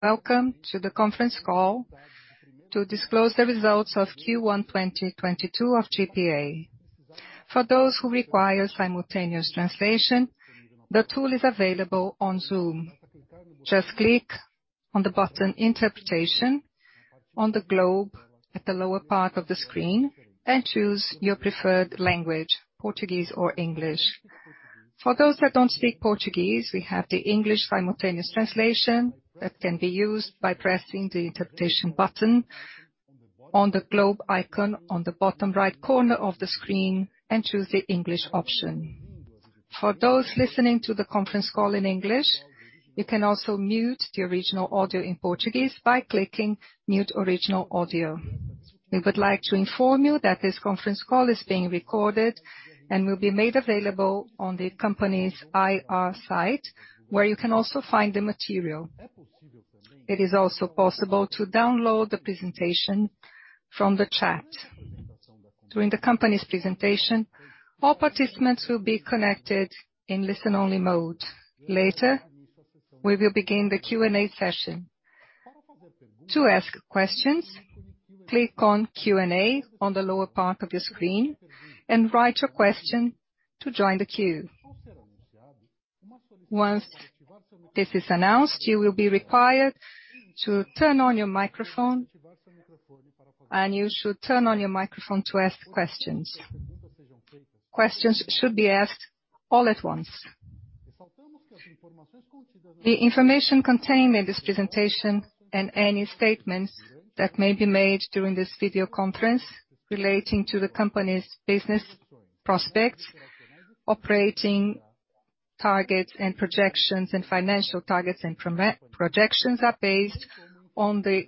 Welcome to the conference call to disclose the results of Q1 2022 of GPA. For those who require simultaneous translation, the tool is available on Zoom. Just click on the button Interpretation on the globe at the lower part of the screen and choose your preferred language, Portuguese or English. For those that don't speak Portuguese, we have the English simultaneous translation that can be used by pressing the Interpretation button on the globe icon on the bottom right corner of the screen and choose the English option. For those listening to the conference call in English, you can also mute the original audio in Portuguese by clicking Mute Original Audio. We would like to inform you that this conference call is being recorded and will be made available on the company's IR site, where you can also find the material. It is also possible to download the presentation from the chat. During the company's presentation, all participants will be connected in listen-only mode. Later, we will begin the Q&A session. To ask questions, click on Q&A on the lower part of your screen and write your question to join the queue. Once this is announced, you will be required to turn on your microphone, and you should turn on your microphone to ask questions. Questions should be asked all at once. The information contained in this presentation and any statements that may be made during this video conference relating to the company's business prospects, operating targets and projections and financial targets and projections are based on the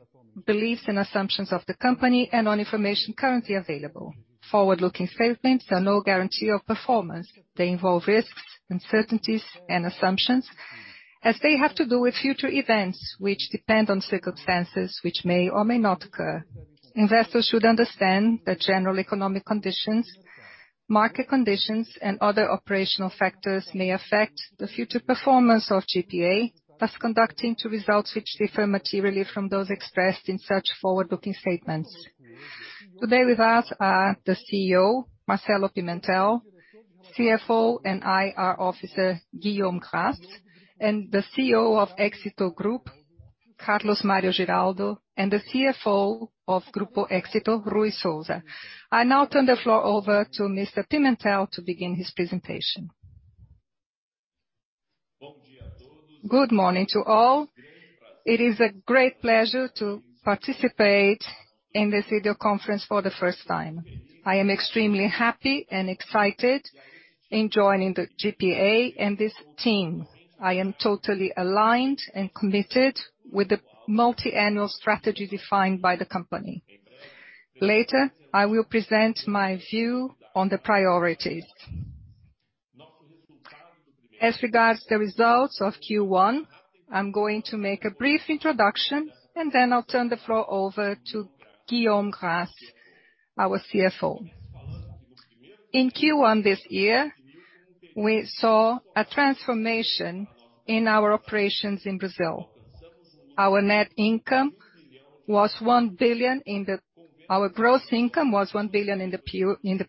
beliefs and assumptions of the company and on information currently available. Forward-looking statements are no guarantee of performance. They involve risks, uncertainties and assumptions as they have to do with future events, which depend on circumstances which may or may not occur. Investors should understand that general economic conditions, market conditions and other operational factors may affect the future performance of GPA, thus conducting to results which differ materially from those expressed in such forward-looking statements. Today with us are the CEO, Marcelo Pimentel, CFO and IR officer, Guillaume Gras, and the CEO of Grupo Éxito, Carlos Mario Giraldo, and the CFO of Grupo Éxito, Ruy Souza. I now turn the floor over to Mr. Pimentel to begin his presentation. Good morning to all. It is a great pleasure to participate in this video conference for the first time. I am extremely happy and excited in joining the GPA and this team. I am totally aligned and committed with the multi-annual strategy defined by the company. Later, I will present my view on the priorities. As regards the results of Q1, I'm going to make a brief introduction and then I'll turn the floor over to Guillaume Gras, our CFO. In Q1 this year, we saw a transformation in our operations in Brazil. Our gross income was 1 billion in the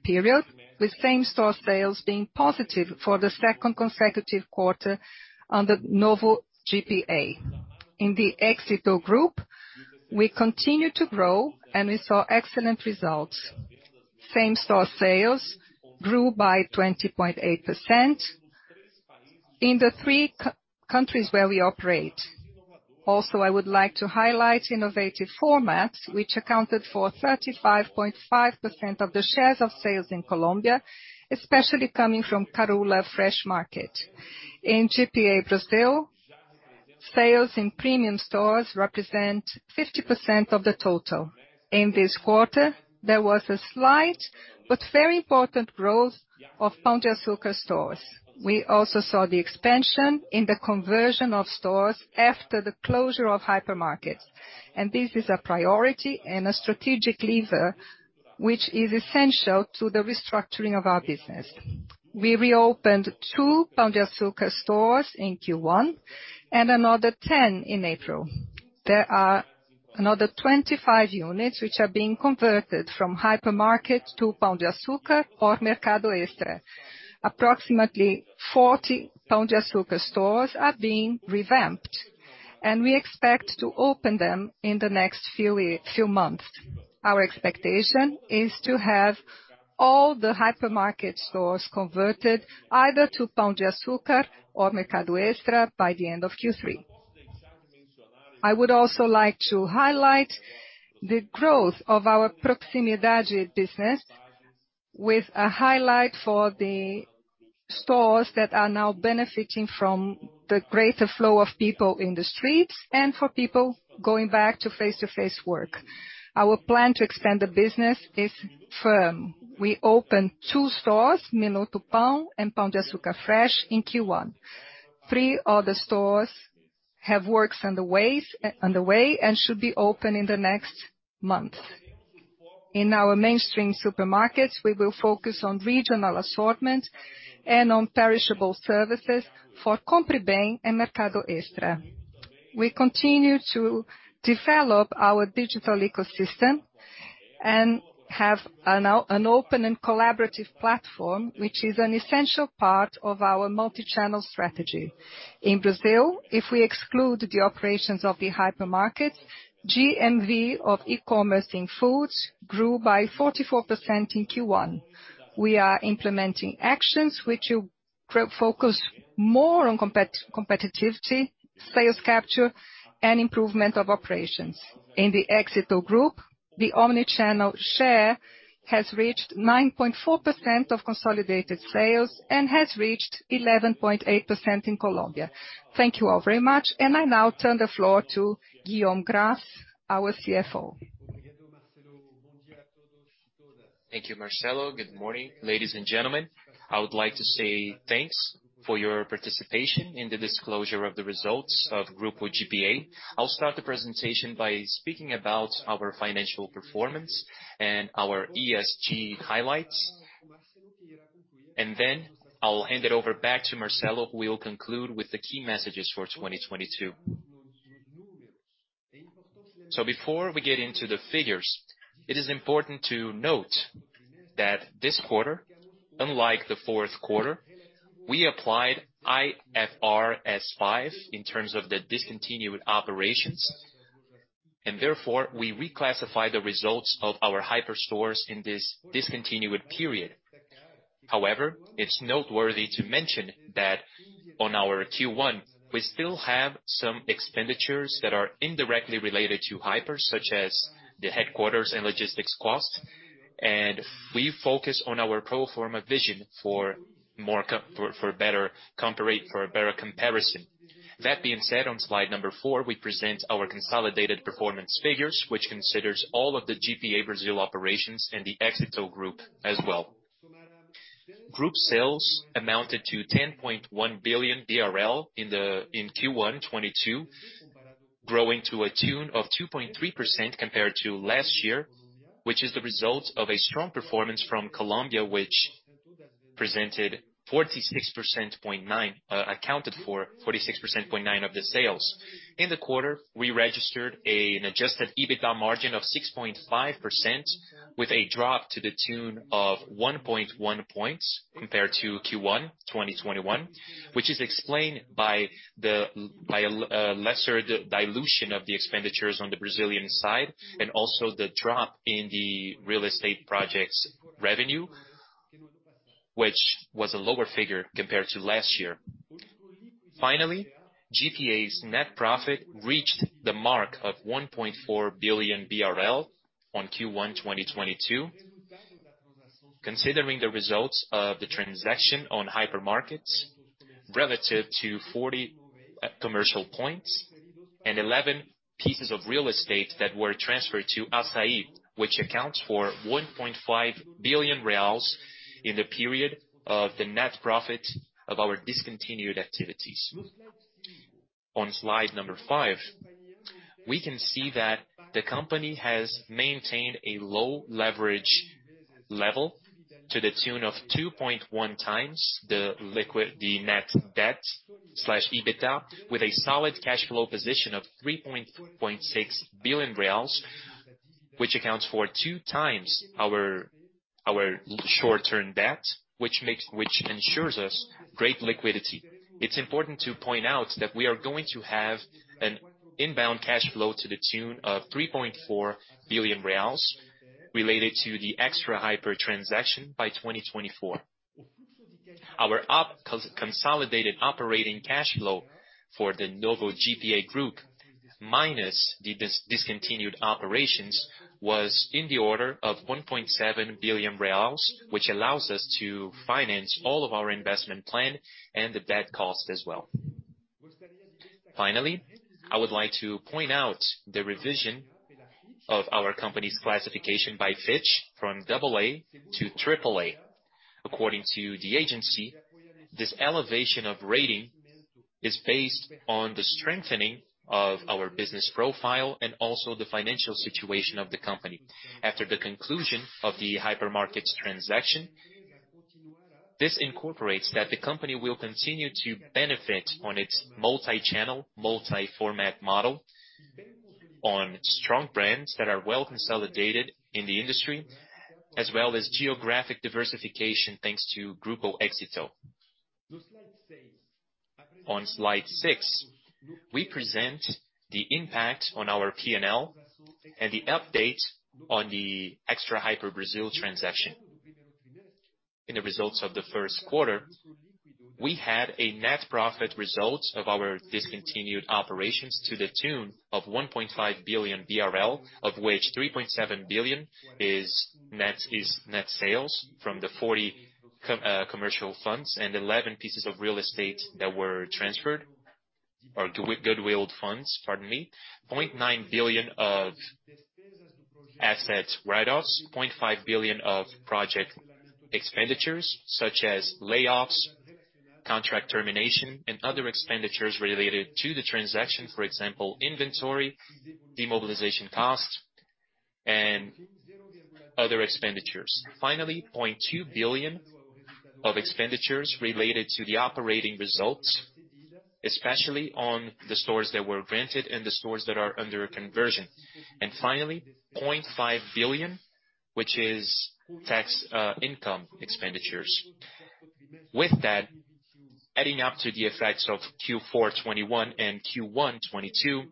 period, with same-store sales being positive for the second consecutive quarter on the Novo GPA. In the Grupo Éxito, we continue to grow, and we saw excellent results. Same-store sales grew by 20.8% in the three countries where we operate. Also, I would like to highlight innovative formats, which accounted for 35.5% of the shares of sales in Colombia, especially coming from Carulla FreshMarket. In GPA Brazil, sales in premium stores represent 50% of the total. In this quarter, there was a slight but very important growth of Pão de Açúcar stores. We also saw the expansion in the conversion of stores after the closure of hypermarkets, and this is a priority and a strategic lever, which is essential to the restructuring of our business. We reopened two Pão de Açúcar stores in Q1 and another 10 in April. There are another 25 units which are being converted from hypermarket to Pão de Açúcar or Mercado Extra. Approximately 40 Pão de Açúcar stores are being revamped, and we expect to open them in the next few months. Our expectation is to have all the hypermarket stores converted either to Pão de Açúcar or Mercado Extra by the end of Q3. I would also like to highlight the growth of our Proximidade business with a highlight for the stores that are now benefiting from the greater flow of people in the streets and for people going back to face-to-face work. Our plan to extend the business is firm. We opened two stores, Minuto Pão de Açúcar and Pão de Açúcar Fresh, in Q1. Three other stores have works underway and should be open in the next months. In our mainstream supermarkets, we will focus on regional assortment and on perishable services for Compre Bem and Mercado Extra. We continue to develop our digital ecosystem and have an open and collaborative platform, which is an essential part of our multi-channel strategy. In Brazil, if we exclude the operations of the hypermarket, GMV of e-commerce in food grew by 44% in Q1. We are implementing actions which will focus more on competitiveness, sales capture, and improvement of operations. In the Grupo Éxito, the omni-channel share has reached 9.4% of consolidated sales and has reached 11.8% in Colombia. Thank you all very much. I now turn the floor to Guillaume Gras, our CFO. Thank you, Marcelo. Good morning, ladies and gentlemen. I would like to say thanks for your participation in the disclosure of the results of Grupo GPA. I'll start the presentation by speaking about our financial performance and our ESG highlights, and then I'll hand it over back to Marcelo, who will conclude with the key messages for 2022. Before we get into the figures, it is important to note that this quarter, unlike the fourth quarter, we applied IFRS 5 in terms of the discontinued operations, and therefore we reclassify the results of our hyper stores in this discontinued period. However, it's noteworthy to mention that on our Q1, we still have some expenditures that are indirectly related to hyper, such as the headquarters and logistics costs, and we focus on our pro forma vision for a better comparison. That being said, on slide number four, we present our consolidated performance figures, which considers all of the GPA Brazil operations and the Grupo Éxito as well. Group sales amounted to 10.1 billion BRL in Q1 2022, growing to a tune of 2.3% compared to last year, which is the result of a strong performance from Colombia, which accounted for 46.9% of the sales. In the quarter, we registered an adjusted EBITDA margin of 6.5%, with a drop to the tune of 1.1 points compared to Q1 2021, which is explained by a lesser dilution of the expenditures on the Brazilian side, and also the drop in the real estate project's revenue, which was a lower figure compared to last year. Finally, GPA's net profit reached the mark of 1.4 billion BRL in Q1 2022, considering the results of the transaction on hypermarkets relative to 40 commercial points and 11 pieces of real estate that were transferred to Assaí, which accounts for 1.5 billion reais in the period of the net profit of our discontinued activities. On slide number five, we can see that the company has maintained a low leverage level to the tune of 2.1x the net debt/EBITDA, with a solid cash flow position of 3.6 billion reais, which accounts for 2x our short-term debt, which ensures us great liquidity. It's important to point out that we are going to have an inbound cash flow to the tune of 3.4 billion reais related to the Extra Hiper transaction by 2024. Our consolidated operating cash flow for the Novo GPA group, minus the discontinued operations, was in the order of 1.7 billion reais, which allows us to finance all of our investment plan and the debt cost as well. Finally, I would like to point out the revision of our company's classification by Fitch from AA to AAA. According to the agency, this elevation of rating is based on the strengthening of our business profile and also the financial situation of the company. After the conclusion of the hypermarkets transaction, this incorporates that the company will continue to benefit on its multi-channel, multi-format model on strong brands that are well consolidated in the industry, as well as geographic diversification, thanks to Grupo Éxito. On slide six, we present the impact on our P&L and the update on the Extra Hiper Brazil transaction. In the results of the first quarter, we had a net profit result of our discontinued operations to the tune of 1.5 billion BRL, of which 3.7 billion is net sales from the 40 commercial funds and 11 pieces of real estate that were transferred or goodwill funds, pardon me. 0.9 billion of assets write-offs, 0.5 billion of project expenditures such as layoffs, contract termination and other expenditures related to the transaction, for example, inventory, demobilization costs, and other expenditures. Finally, 0.2 billion of expenditures related to the operating results, especially on the stores that were rented and the stores that are under conversion. Finally, 0.5 billion, which is tax, income expenditures. With that, adding up to the effects of Q4 2021 and Q1 2022,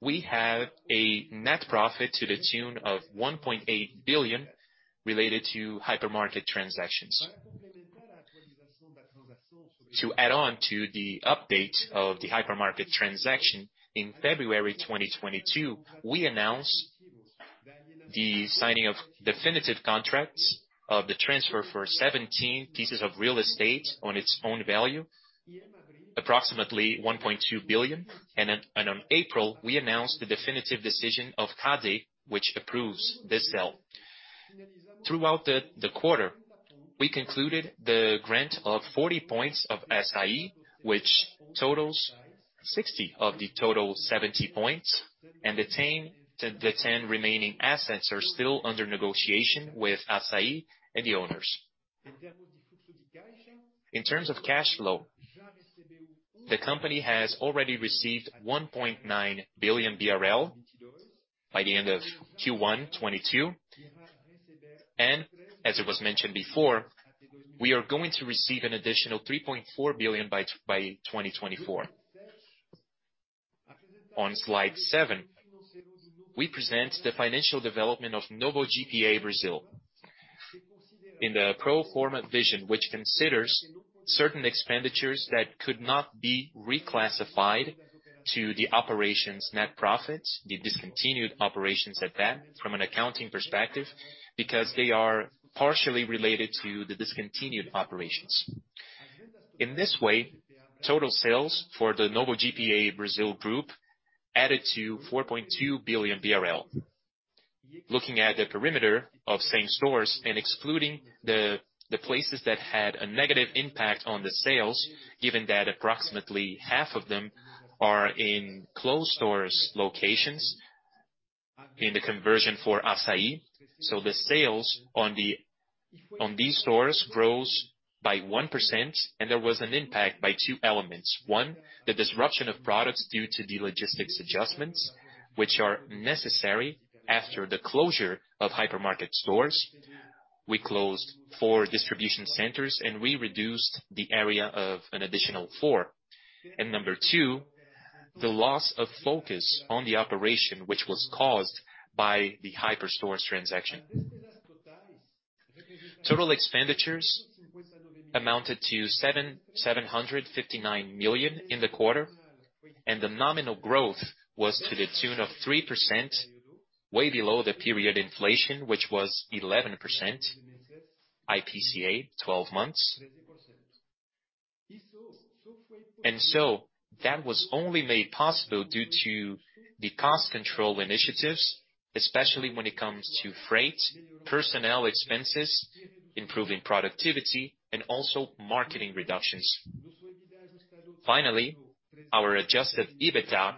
we have a net profit to the tune of 1.8 billion related to hypermarket transactions. To add on to the update of the hypermarket transaction, in February 2022, we announced the signing of definitive contracts of the transfer for 17 pieces of real estate on its own value, approximately 1.2 billion. Then on April, we announced the definitive decision of CADE, which approves this sale. Throughout the quarter, we concluded the grant of 40 points of Assaí, which totals 60 of the total 70 points. The 10 remaining assets are still under negotiation with Assaí and the owners. In terms of cash flow, the company has already received 1.9 billion BRL by the end of Q1 2022. As it was mentioned before, we are going to receive an additional 3.4 billion by 2024. On slide seven, we present the financial development of Novo GPA Brazil. In the pro forma version, which considers certain expenditures that could not be reclassified to the operations net profits, the discontinued operations at that, from an accounting perspective, because they are partially related to the discontinued operations. In this way, total sales for the Novo GPA Brazil group added to 4.2 billion BRL. Looking at the perimeter of same stores and excluding the places that had a negative impact on the sales, given that approximately half of them are in closed stores locations in the conversion for Assaí. The sales on these stores grows by 1% and there was an impact by two elements. One, the disruption of products due to the logistics adjustments, which are necessary after the closure of hypermarket stores. We closed four distribution centers and we reduced the area of an additional four. Number two, the loss of focus on the operation, which was caused by the hyper stores transaction. Total expenditures amounted to 759 million in the quarter, and the nominal growth was to the tune of 3%, way below the period inflation, which was 11% IPCA 12 months. That was only made possible due to the cost control initiatives, especially when it comes to freight, personnel expenses, improving productivity, and also marketing reductions. Finally, our adjusted EBITDA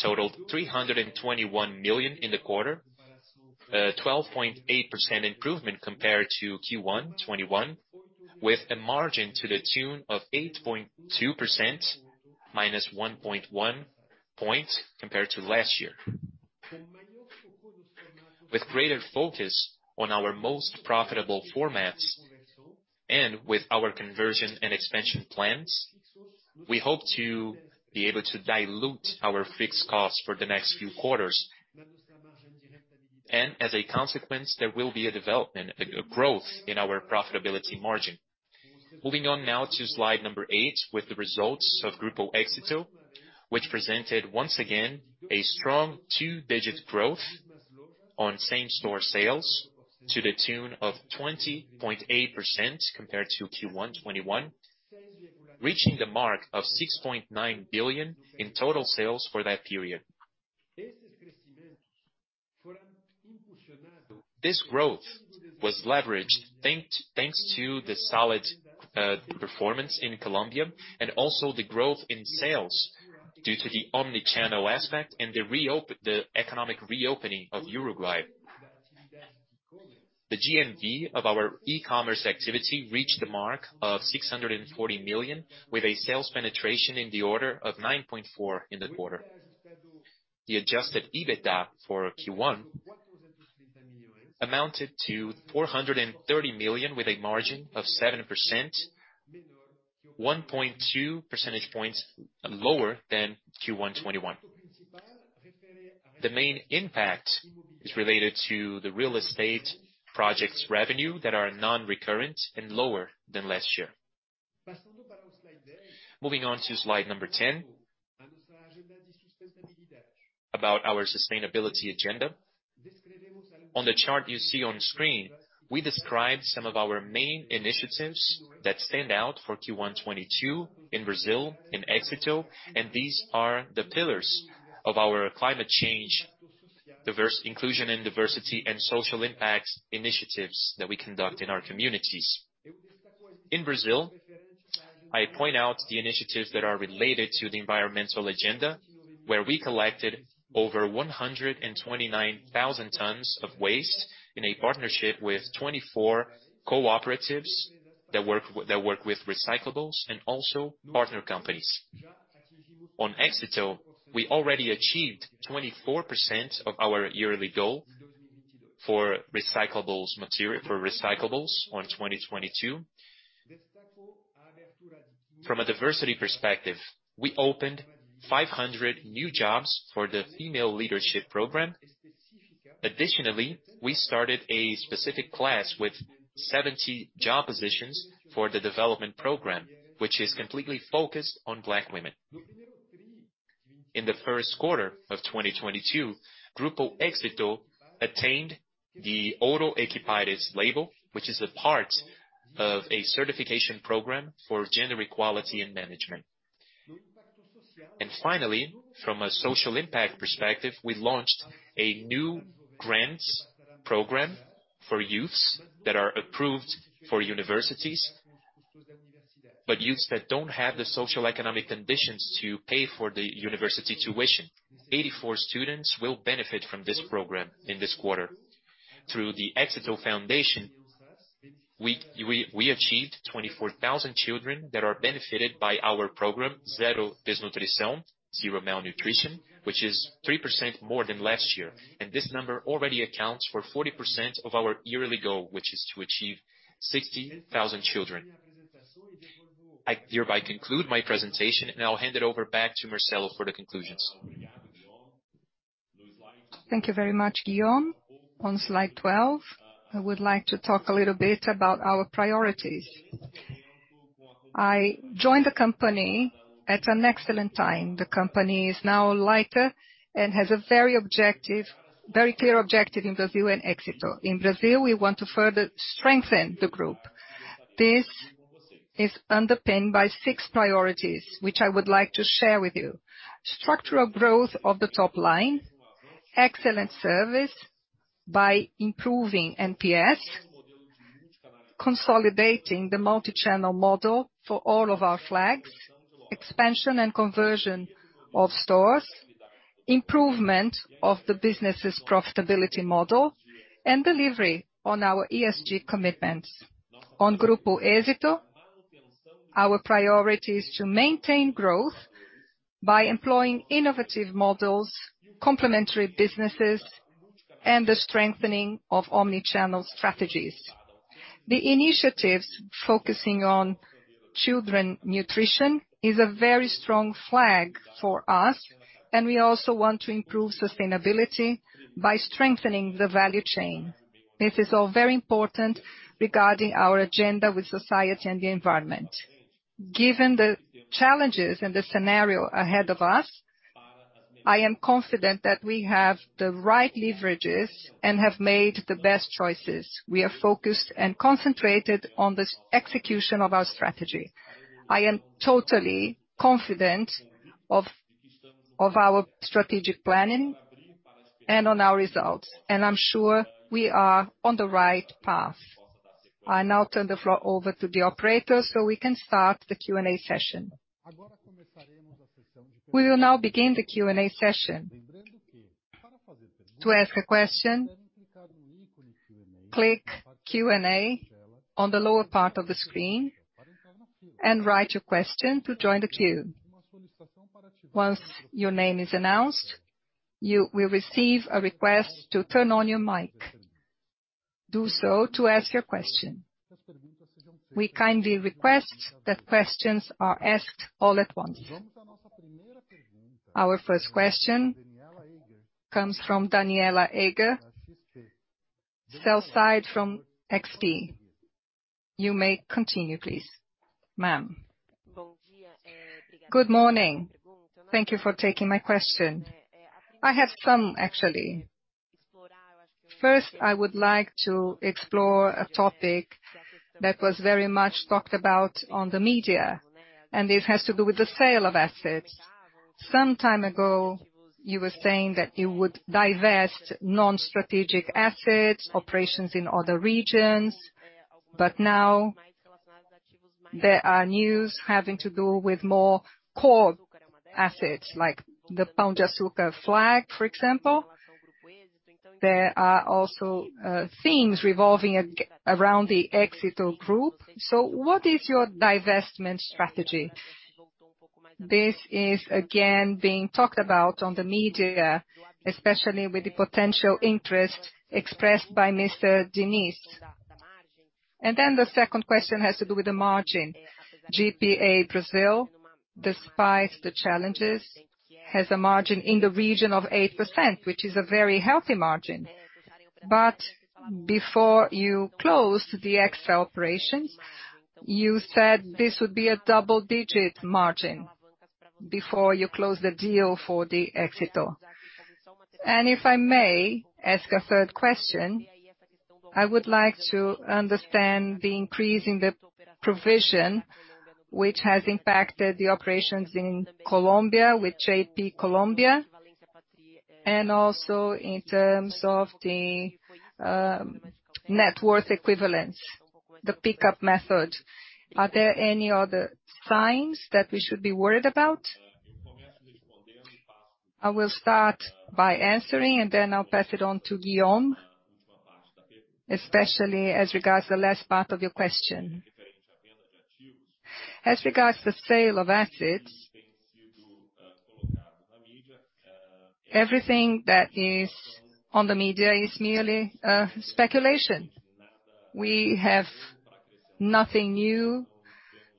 totaled 321 million in the quarter, 12.8% improvement compared to Q1 2021, with a margin to the tune of 8.2% minus 1.1 percentage points compared to last year. With greater focus on our most profitable formats and with our conversion and expansion plans, we hope to be able to dilute our fixed costs for the next few quarters. As a consequence, there will be a development, a growth in our profitability margin. Moving on now to slide number eight, with the results of Grupo Éxito, which presented once again a strong two-digit growth on same-store sales to the tune of 20.8% compared to Q1 2021, reaching the mark of 6.9 billion in total sales for that period. This growth was leveraged thanks to the solid performance in Colombia and also the growth in sales due to the omni-channel aspect and the economic reopening of Uruguay. The GMV of our e-commerce activity reached the mark of 640 million, with a sales penetration in the order of 9.4% in the quarter. The adjusted EBITDA for Q1 amounted to 430 million with a margin of 7%, 1.2 percentage points lower than Q1 2021. The main impact is related to the real estate project's revenue that are non-recurrent and lower than last year. Moving on to slide number 10, about our sustainability agenda. On the chart you see on screen, we describe some of our main initiatives that stand out for Q1 2022 in Brazil, in Éxito, and these are the pillars of our climate change, diversity and inclusion, and social impact initiatives that we conduct in our communities. In Brazil, I point out the initiatives that are related to the environmental agenda, where we collected over 129,000 tons of waste in a partnership with 24 cooperatives that work with recyclables and also partner companies. In Éxito, we already achieved 24% of our yearly goal for recyclables material for recyclables in 2022. From a diversity perspective, we opened 500 new jobs for the female leadership program. Additionally, we started a specific class with 70 job positions for the development program, which is completely focused on Black women. In the first quarter of 2022, Grupo Éxito attained the Equipares label, which is a part of a certification program for gender equality and management. Finally, from a social impact perspective, we launched a new grants program for youths that are approved for universities, but youths that don't have the socioeconomic conditions to pay for the university tuition. 84 students will benefit from this program in this quarter. Through the Fundación Éxito, we achieved 24,000 children that are benefited by our program, Zero Desnutrição, Zero Malnutrition, which is 3% more than last year. This number already accounts for 40% of our yearly goal, which is to achieve 60,000 children. I hereby conclude my presentation, and I'll hand it over back to Marcelo for the conclusions. Thank you very much, Guillaume. On slide 12, I would like to talk a little bit about our priorities. I joined the company at an excellent time. The company is now lighter and has a very objective, very clear objective in Brazil and Éxito. In Brazil, we want to further strengthen the group. This is underpinned by six priorities, which I would like to share with you. Structural growth of the top line, excellent service by improving NPS, consolidating the multi-channel model for all of our flags, expansion and conversion of stores, improvement of the business's profitability model, and delivery on our ESG commitments. On Grupo Éxito, our priority is to maintain growth by employing innovative models, complementary businesses, and the strengthening of omni-channel strategies. The initiatives focusing on children nutrition is a very strong flag for us, and we also want to improve sustainability by strengthening the value chain. This is all very important regarding our agenda with society and the environment. Given the challenges and the scenario ahead of us, I am confident that we have the right leverages and have made the best choices. We are focused and concentrated on the execution of our strategy. I am totally confident of our strategic planning and on our results, and I'm sure we are on the right path. I now turn the floor over to the operator so we can start the Q&A session. We will now begin the Q&A session. To ask a question, click Q&A on the lower part of the screen and write your question to join the queue. Once your name is announced, you will receive a request to turn on your mic. Do so to ask your question. We kindly request that questions are asked all at once. Our first question comes from Danniela Eiger, sell-side from XP. You may continue please, ma'am. Good morning. Thank you for taking my question. I have some actually. First, I would like to explore a topic that was very much talked about on the media, and this has to do with the sale of assets. Some time ago, you were saying that you would divest non-strategic assets, operations in other regions. Now there are news having to do with more core assets, like the Pão de Açúcar flag, for example. There are also, themes revolving around the Grupo Éxito. What is your divestment strategy? This is again being talked about on the media, especially with the potential interest expressed by Mr. Diniz. Then the second question has to do with the margin. GPA Brazil, despite the challenges, has a margin in the region of 8%, which is a very healthy margin. Before you closed the Éxito operations, you said this would be a double-digit margin before you closed the deal for the Éxito. If I may ask a third question. I would like to understand the increase in the provision which has impacted the operations in Colombia with JV Colombia, and also in terms of the net worth equivalent, the pickup method. Are there any other signs that we should be worried about? I will start by answering, and then I'll pass it on to Guillaume, especially as regards the last part of your question. As regards the sale of assets, everything that is on the media is merely speculation. We have nothing new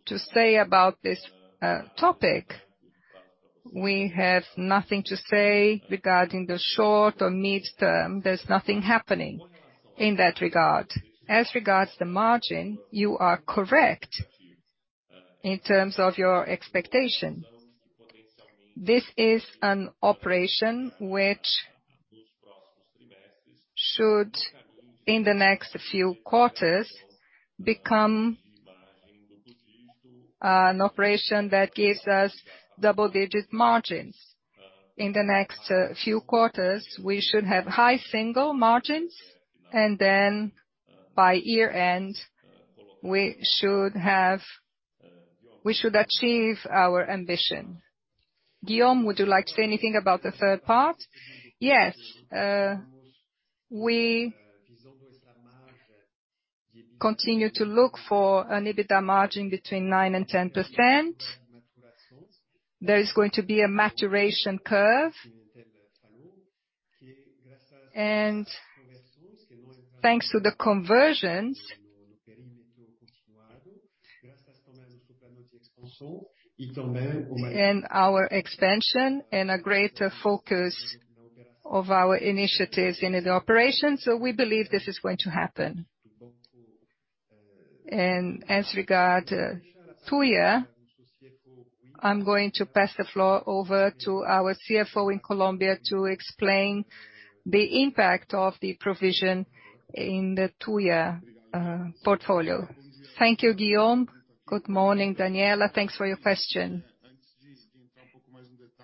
to say about this topic. We have nothing to say regarding the short or mid-term. There's nothing happening in that regard. As regards to margin, you are correct in terms of your expectation. This is an operation which should, in the next few quarters, become an operation that gives us double-digit margins. In the next few quarters, we should have high single-digit margins, and then by year-end, we should achieve our ambition. Guillaume, would you like to say anything about the third part? Yes. We continue to look for an EBITDA margin between 9% and 10%. There is going to be a maturation curve. Thanks to the conversions and our expansion and a greater focus of our initiatives in the operation. So we believe this is going to happen. As regards Tuya, I'm going to pass the floor over to our CFO in Colombia to explain the impact of the provision in the Tuya portfolio. Thank you, Guillaume. Good morning, Danniela. Thanks for your question.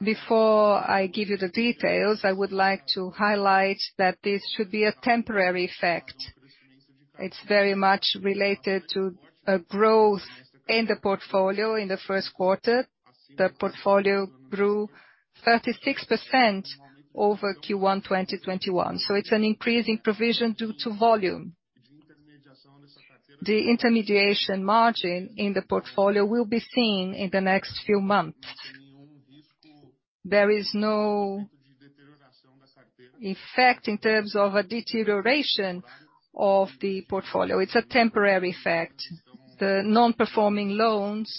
Before I give you the details, I would like to highlight that this should be a temporary effect. It's very much related to a growth in the portfolio in the first quarter. The portfolio grew 36% over Q1 2021. It's an increase in provision due to volume. The intermediation margin in the portfolio will be seen in the next few months. There is no effect in terms of a deterioration of the portfolio. It's a temporary effect. The non-performing loans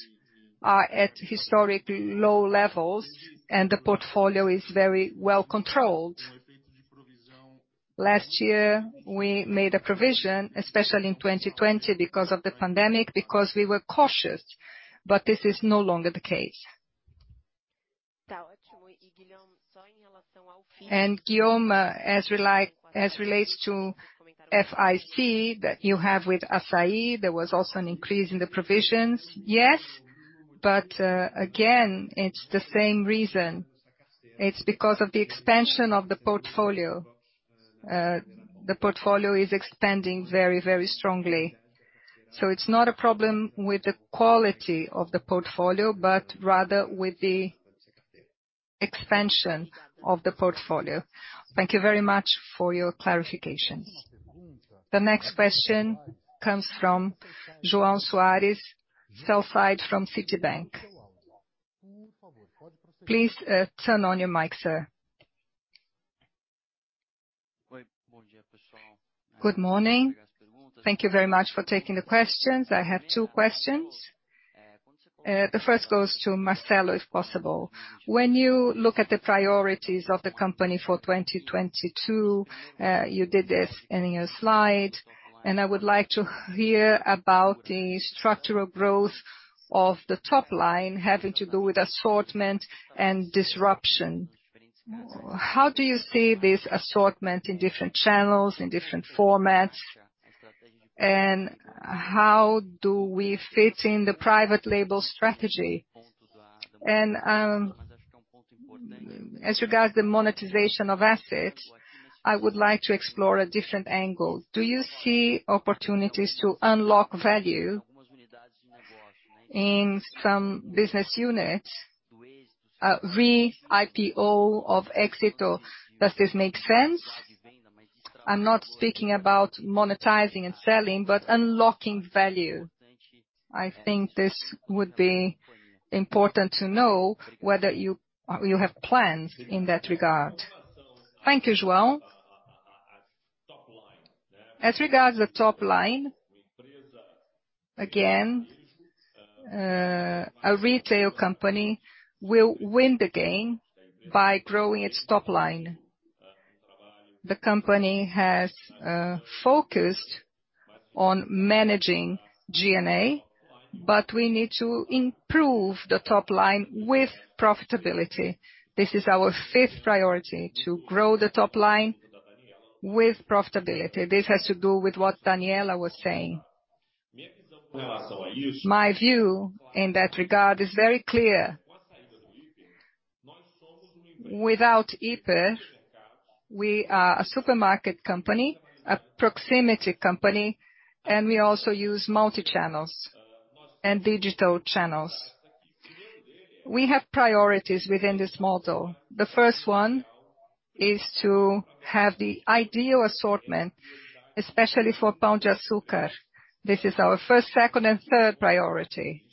are at historically low levels, and the portfolio is very well controlled. Last year, we made a provision, especially in 2020 because of the pandemic, because we were cautious, but this is no longer the case. Guillaume, as relates to FIC that you have with Assaí, there was also an increase in the provisions. Yes, but again, it's the same reason. It's because of the expansion of the portfolio. The portfolio is expanding very, very strongly. It's not a problem with the quality of the portfolio, but rather with the expansion of the portfolio. Thank you very much for your clarifications. The next question comes from João Soares, sell-side from Citibank. Please, turn on your mic, sir. Good morning. Thank you very much for taking the questions. I have two questions. The first goes to Marcelo, if possible. When you look at the priorities of the company for 2022, you did this in your slide, and I would like to hear about the structural growth of the top line having to do with assortment and disruption. How do you see this assortment in different channels, in different formats, and how do we fit in the private label strategy? As regards the monetization of assets, I would like to explore a different angle. Do you see opportunities to unlock value in some business units, re-IPO of Éxito? Does this make sense? I'm not speaking about monetizing and selling, but unlocking value. I think this would be important to know whether you have plans in that regard. Thank you, João. As regards the top line, again, a retail company will win the game by growing its top line. The company has focused on managing G&A, but we need to improve the top line with profitability. This is our fifth priority, to grow the top line with profitability. This has to do with what Daniela was saying. My view in that regard is very clear. Without hyper, we are a supermarket company, a proximity company, and we also use multi-channels and digital channels. We have priorities within this model. The first one is to have the ideal assortment, especially for Pão de Açúcar. This is our first, second, and third priority.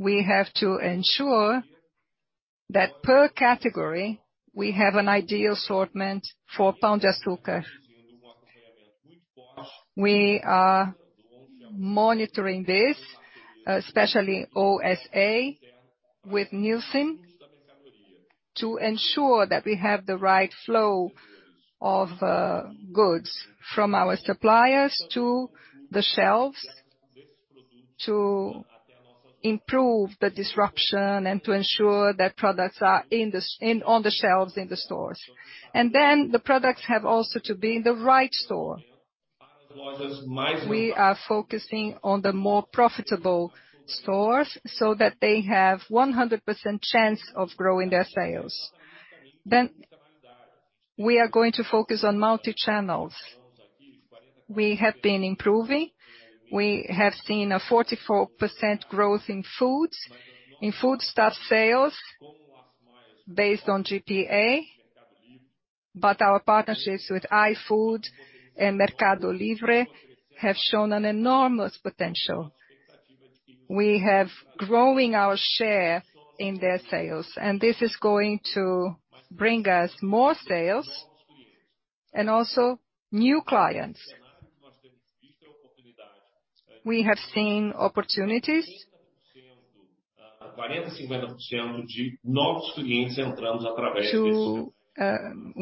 We have to ensure that per category, we have an ideal assortment for Pão de Açúcar. We are monitoring this, especially OSA with Nielsen to ensure that we have the right flow of goods from our suppliers to the shelves to improve the distribution and to ensure that products are on the shelves in the stores. The products have also to be in the right store. We are focusing on the more profitable stores so that they have 100% chance of growing their sales. We are going to focus on multi-channels. We have been improving. We have seen a 44% growth in foods, in food stuff sales based on GPA, but our partnerships with iFood and Mercado Livre have shown an enormous potential. We have growing our share in their sales, and this is going to bring us more sales and also new clients. We have seen opportunities.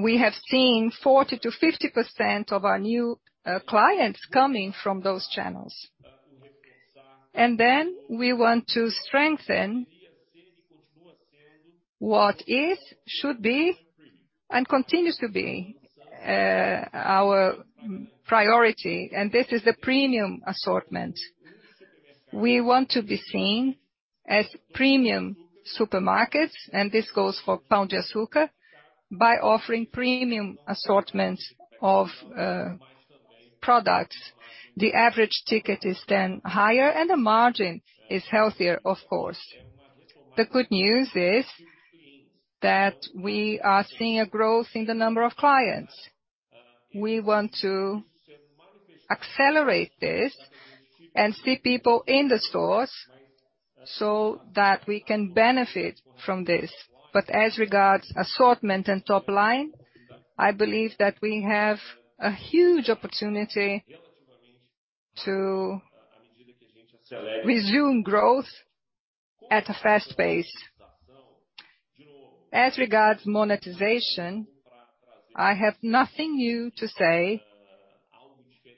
We have seen 40%-50% of our new clients coming from those channels. We want to strengthen what is, should be, and continues to be, our priority, and this is the premium assortment. We want to be seen as premium supermarkets, and this goes for Pão de Açúcar, by offering premium assortment of, products. The average ticket is then higher and the margin is healthier, of course. The good news is that we are seeing a growth in the number of clients. We want to accelerate this and see people in the stores so that we can benefit from this. As regards assortment and top line, I believe that we have a huge opportunity to resume growth at a fast pace. As regards monetization, I have nothing new to say.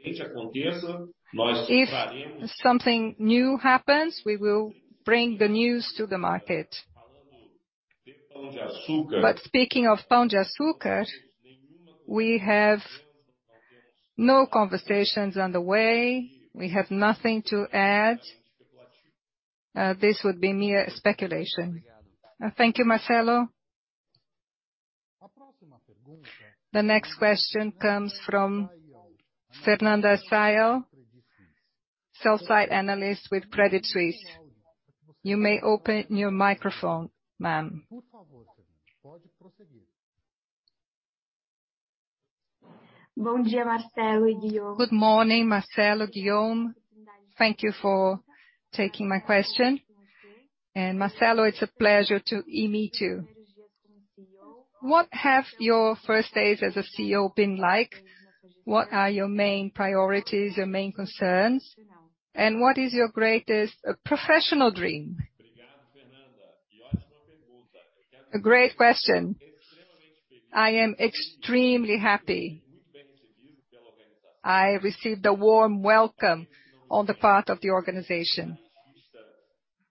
If something new happens, we will bring the news to the market. Speaking of Pão de Açúcar, we have no conversations underway. We have nothing to add. This would be mere speculation. Thank you, Marcelo. The next question comes from Fernanda Sayão, sell-side analyst with Credit Suisse. You may open your microphone, ma'am. Good morning, Marcelo, Guillaume. Thank you for taking my question. Marcelo, it's a pleasure to e-meet you. What have your first days as a CEO been like? What are your main priorities, your main concerns, and what is your greatest, professional dream? A great question. I am extremely happy. I received a warm welcome on the part of the organization.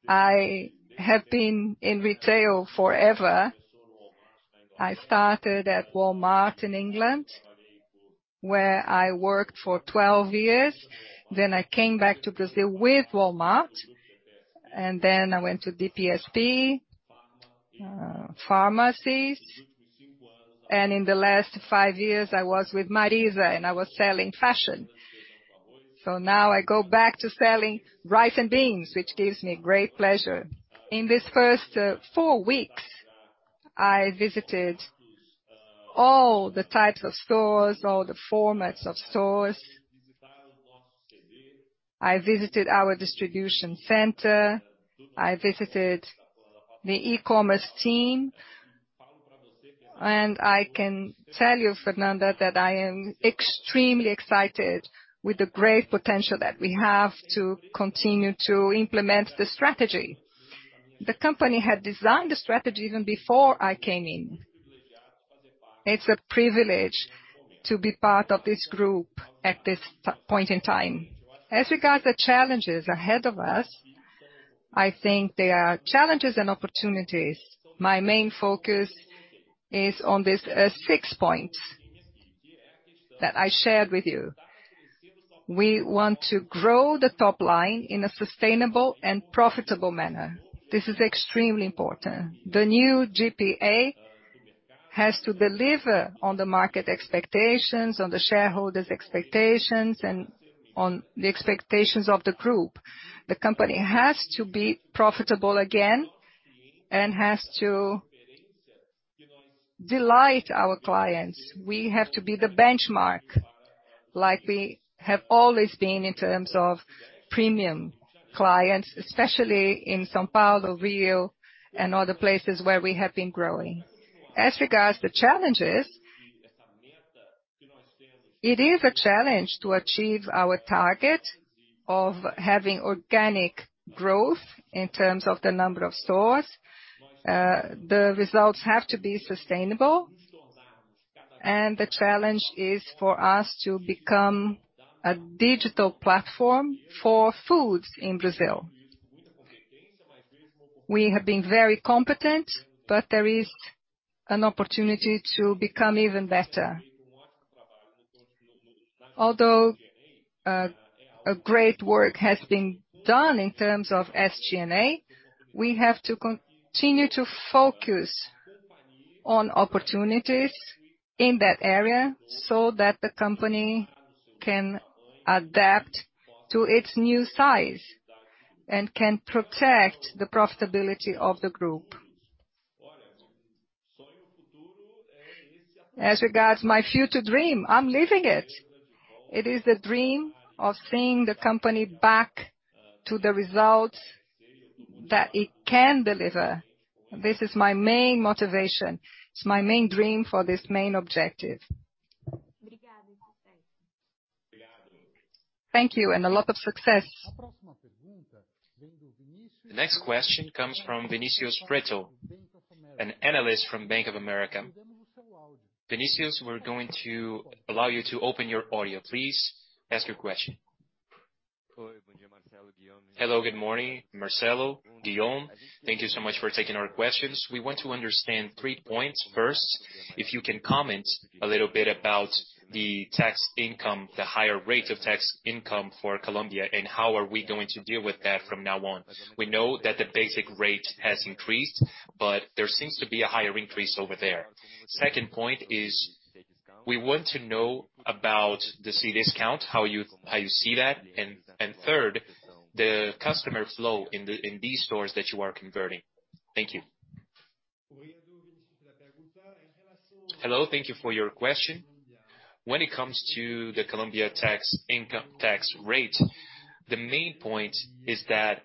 I have been in retail forever. I started at Walmart in England, where I worked for 12 years. Then I came back to Brazil with Walmart, and then I went to DPSP, pharmacies. In the last five years, I was with Marisa, and I was selling fashion. Now I go back to selling rice and beans, which gives me great pleasure. In these first four weeks, I visited all the types of stores, all the formats of stores. I visited our distribution center, I visited the e-commerce team. I can tell you, Fernanda, that I am extremely excited with the great potential that we have to continue to implement the strategy. The company had designed the strategy even before I came in. It's a privilege to be part of this group at this point in time. As regards the challenges ahead of us, I think there are challenges and opportunities. My main focus is on these six points that I shared with you. We want to grow the top line in a sustainable and profitable manner. This is extremely important. The new GPA has to deliver on the market expectations, on the shareholders' expectations, and on the expectations of the group. The company has to be profitable again and has to delight our clients. We have to be the benchmark like we have always been in terms of premium clients, especially in São Paulo, Rio, and other places where we have been growing. As regards the challenges, it is a challenge to achieve our target of having organic growth in terms of the number of stores. The results have to be sustainable, and the challenge is for us to become a digital platform for foods in Brazil. We have been very competent, but there is an opportunity to become even better. Although, a great work has been done in terms of SG&A, we have to continue to focus on opportunities in that area so that the company can adapt to its new size and can protect the profitability of the group. As regards my future dream, I'm living it. It is the dream of seeing the company back to the results that it can deliver. This is my main motivation. It's my main dream for this main objective. Thank you, and a lot of success. The next question comes from Vinicius Pretto, an analyst from Bank of America. Vinicius, we're going to allow you to open your audio. Please ask your question. Hello, good morning, Marcelo, Guillaume. Thank you so much for taking our questions. We want to understand three points. First, if you can comment a little bit about the income tax, the higher rate of income tax for Colombia, and how are we going to deal with that from now on? We know that the basic rate has increased, but there seems to be a higher increase over there. Second point is we want to know about Cdiscount, how you see that. And third, the customer flow in these stores that you are converting. Thank you. Hello, thank you for your question. When it comes to the Colombian tax rate, the main point is that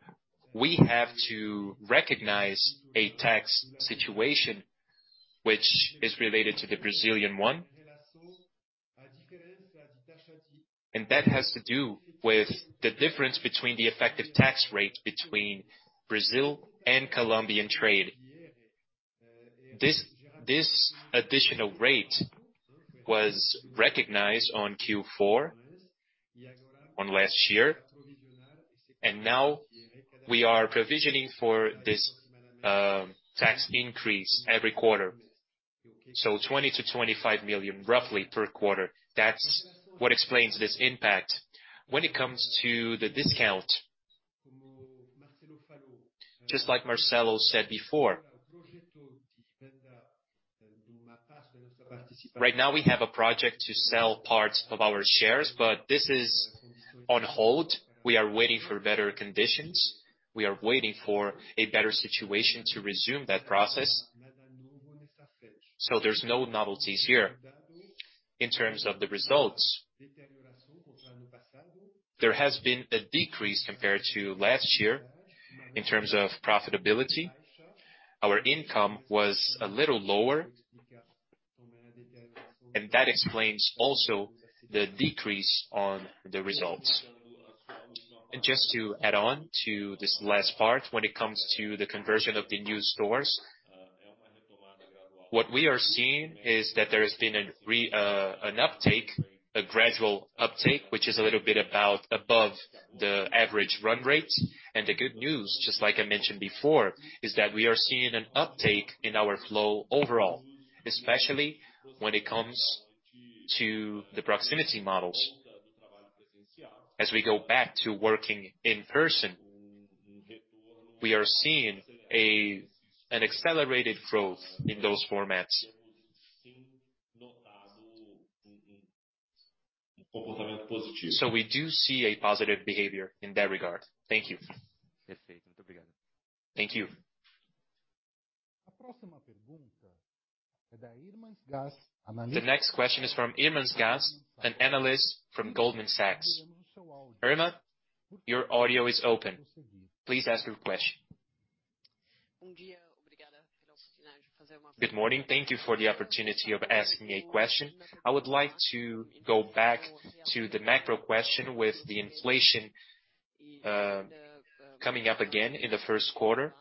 we have to recognize a tax situation which is related to the Brazilian one. That has to do with the difference between the effective tax rate between Brazil and Colombian tax. This additional rate was recognized in Q4 of last year, and now we are provisioning for this tax increase every quarter. 20 million-25 million, roughly, per quarter. That's what explains this impact. When it comes to Cdiscount, just like Marcelo said before, right now we have a project to sell parts of our shares, but this is on hold. We are waiting for better conditions. We are waiting for a better situation to resume that process. There's no novelties here. In terms of the results, there has been a decrease compared to last year in terms of profitability. Our income was a little lower, and that explains also the decrease on the results. Just to add on to this last part, when it comes to the conversion of the new stores, what we are seeing is that there has been an uptake, a gradual uptake, which is a little bit above the average run rate. The good news, just like I mentioned before, is that we are seeing an uptake in our flow overall, especially when it comes to the proximity models. As we go back to working in person, we are seeing an accelerated growth in those formats. We do see a positive behavior in that regard. Thank you. Thank you. The next question is from Irma Sgarz, an analyst from Goldman Sachs. Irma, your audio is open. Please ask your question. Good morning. Thank you for the opportunity of asking a question. I would like to go back to the macro question with the inflation. Coming up again in the first quarter,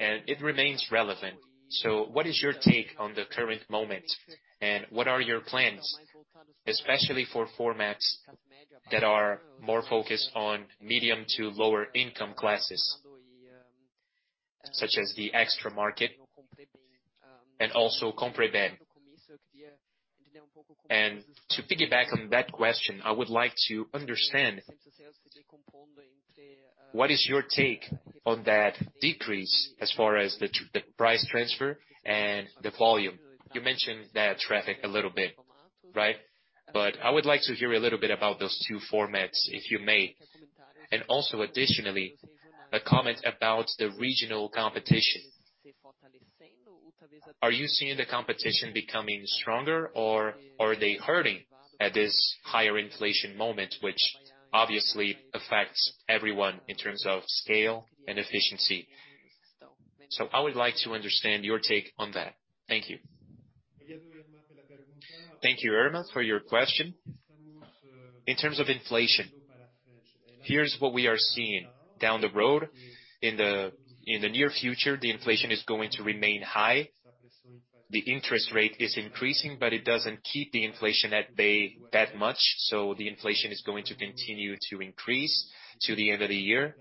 and it remains relevant. What is your take on the current moment, and what are your plans, especially for formats that are more focused on medium to lower income classes, such as the Mercado Extra and also Compre Bem? To piggyback on that question, I would like to understand, what is your take on that decrease as far as the price transfer and the volume? You mentioned that traffic a little bit, right? I would like to hear a little bit about those two formats, if you may. Also additionally, a comment about the regional competition. Are you seeing the competition becoming stronger, or are they hurting at this higher inflation moment, which obviously affects everyone in terms of scale and efficiency? I would like to understand your take on that. Thank you. Thank you, Irma, for your question. In terms of inflation, here's what we are seeing. Down the road in the near future, the inflation is going to remain high. The interest rate is increasing, but it doesn't keep the inflation at bay that much. The inflation is going to continue to increase to the end of the year.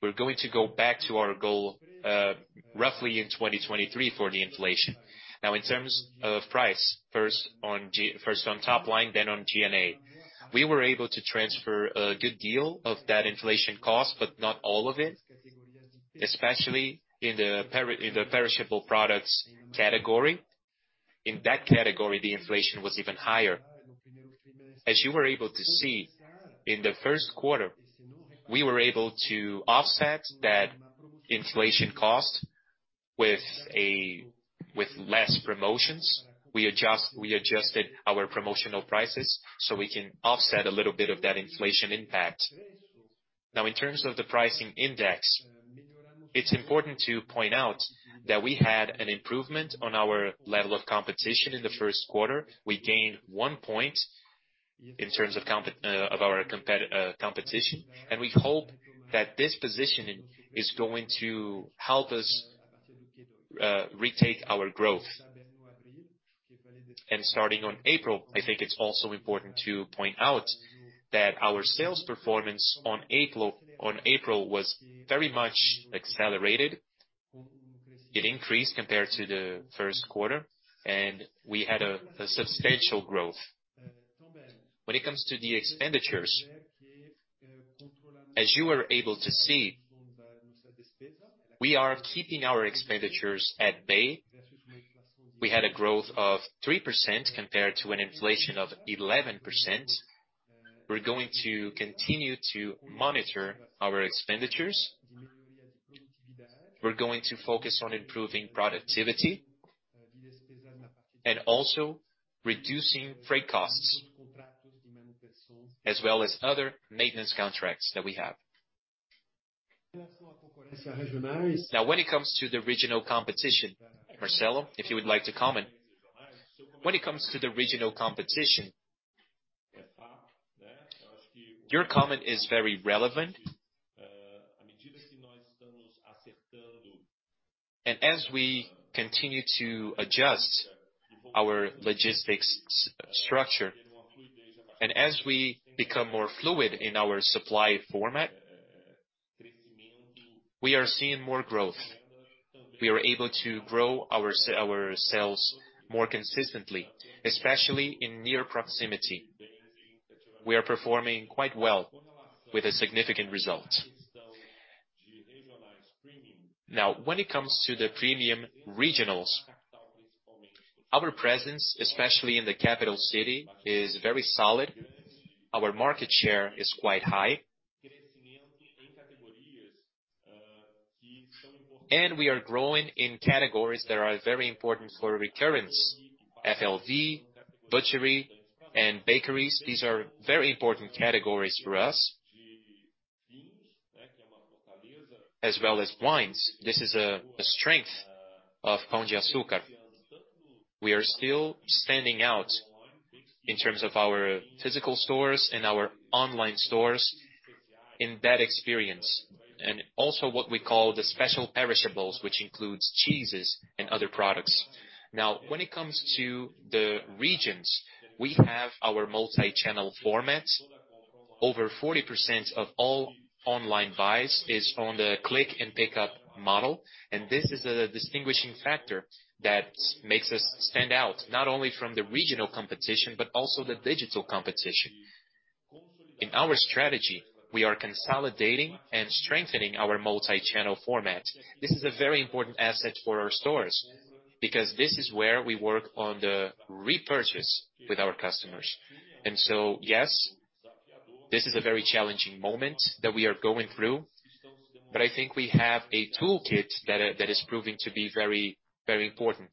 We're going to go back to our goal, roughly in 2023 for the inflation. Now in terms of price, first on top line, then on G&A. We were able to transfer a good deal of that inflation cost, but not all of it, especially in the perishable products category. In that category, the inflation was even higher. As you were able to see, in the first quarter, we were able to offset that inflation cost with less promotions. We adjusted our promotional prices so we can offset a little bit of that inflation impact. Now in terms of the pricing index, it's important to point out that we had an improvement on our level of competition in the first quarter. We gained one point in terms of our competition, and we hope that this positioning is going to help us retake our growth. Starting on April, I think it's also important to point out that our sales performance on April was very much accelerated. It increased compared to the first quarter, and we had a substantial growth. When it comes to the expenditures, as you were able to see, we are keeping our expenditures at bay. We had a growth of 3% compared to an inflation of 11%. We're going to continue to monitor our expenditures. We're going to focus on improving productivity and also reducing freight costs, as well as other maintenance contracts that we have. Now when it comes to the regional competition, Marcelo, if you would like to comment. When it comes to the regional competition, your comment is very relevant. As we continue to adjust our logistics structure, and as we become more fluid in our supply format, we are seeing more growth. We are able to grow our sales more consistently, especially in near proximity. We are performing quite well with a significant result. Now when it comes to the premium regionals, our presence, especially in the capital city, is very solid. Our market share is quite high. We are growing in categories that are very important for recurrence. FLV, butchery, and bakeries. These are very important categories for us. As well as wines, this is a strength of Pão de Açúcar. We are still standing out in terms of our physical stores and our online stores in that experience, and also what we call the special perishables, which includes cheeses and other products. Now when it comes to the regions, we have our multi-channel format. Over 40% of all online buys is on the click and pickup model, and this is a distinguishing factor that makes us stand out not only from the regional competition, but also the digital competition. In our strategy, we are consolidating and strengthening our multi-channel format. This is a very important asset for our stores, because this is where we work on the repurchase with our customers. Yes, this is a very challenging moment that we are going through, but I think we have a toolkit that that is proving to be very, very important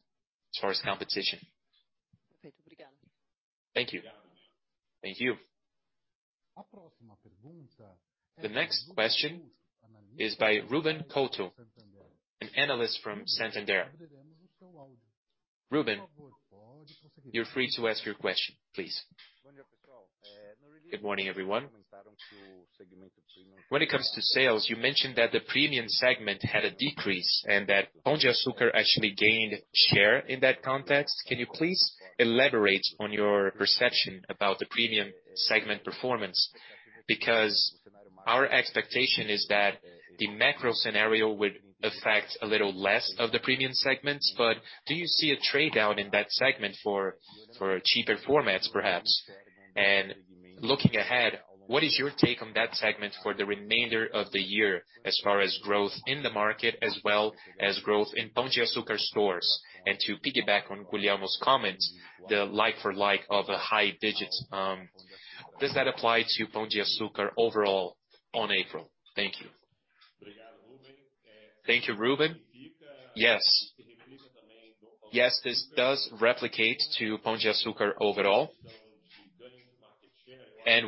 as far as competition. Thank you. Thank you. The next question is by Ruben Couto, an analyst from Santander. Ruben, you're free to ask your question, please. Good morning, everyone. When it comes to sales, you mentioned that the premium segment had a decrease and that Pão de Açúcar actually gained share in that context. Can you please elaborate on your perception about the premium segment performance? Because our expectation is that the macro scenario would affect a little less of the premium segments, but do you see a trade-down in that segment for cheaper formats, perhaps? Looking ahead, what is your take on that segment for the remainder of the year as far as growth in the market as well as growth in Pão de Açúcar stores? To piggyback on Guillaume's comments, the like-for-like of high single digits, does that apply to Pão de Açúcar overall in April? Thank you. Thank you, Ruben. Yes. Yes, this does apply to Pão de Açúcar overall.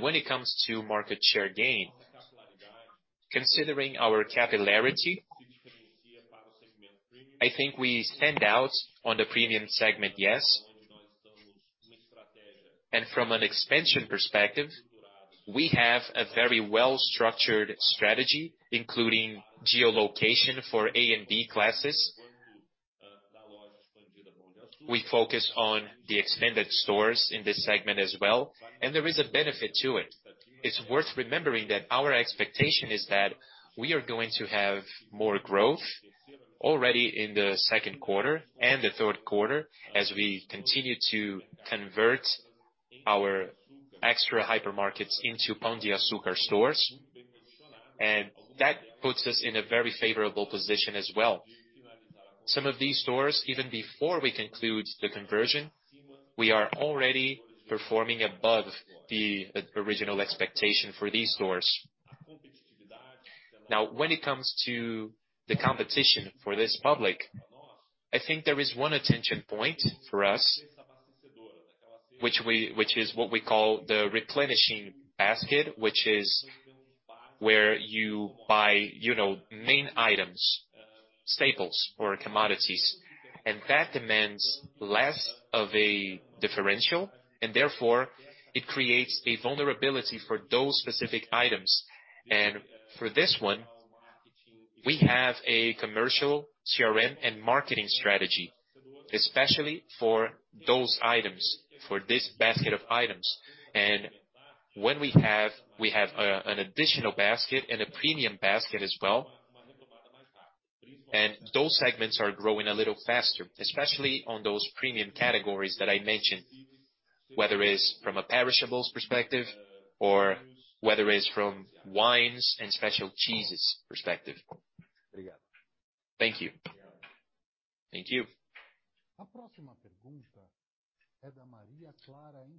When it comes to market share gain, considering our capillarity, I think we stand out in the premium segment, yes. From an expansion perspective, we have a very well-structured strategy, including geolocation for A and B classes. We focus on the expanded stores in this segment as well, and there is a benefit to it. It's worth remembering that our expectation is that we are going to have more growth already in the second quarter and the third quarter as we continue to convert our Extra Hiper markets into Pão de Açúcar stores. That puts us in a very favorable position as well. Some of these stores, even before we conclude the conversion, we are already performing above the original expectation for these stores. Now, when it comes to the competition for this public, I think there is one attention point for us, which is what we call the replenishing basket, which is where you buy, you know, main items, staples or commodities. That demands less of a differential, and therefore it creates a vulnerability for those specific items. For this one, we have a commercial CRM and marketing strategy, especially for those items, for this basket of items. When we have an additional basket and a premium basket as well, and those segments are growing a little faster, especially on those premium categories that I mentioned, whether it's from a perishables perspective or whether it's from wines and special cheeses perspective. Thank you.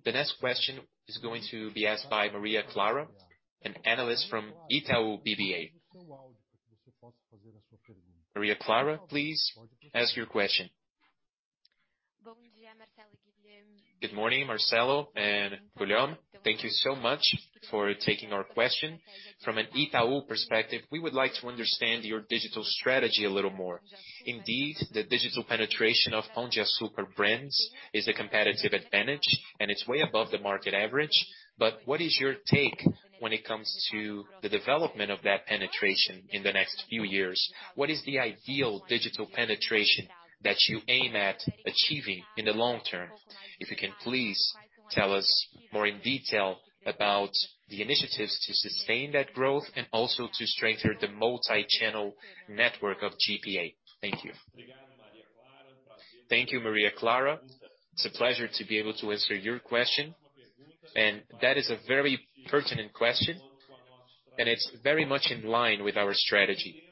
The next question is going to be asked by Maria Clara, an analyst from Itaú BBA. Maria Clara, please ask your question. Good morning, Marcelo and Guillaume. Thank you so much for taking our question. From an Itaú perspective, we would like to understand your digital strategy a little more. Indeed, the digital penetration of Pão de Açúcar brands is a competitive advantage, and it's way above the market average. What is your take when it comes to the development of that penetration in the next few years? What is the ideal digital penetration that you aim at achieving in the long term? If you can please tell us more in detail about the initiatives to sustain that growth and also to strengthen the multi-channel network of GPA. Thank you. Thank you, Maria Clara. It's a pleasure to be able to answer your question. That is a very pertinent question, and it's very much in line with our strategy.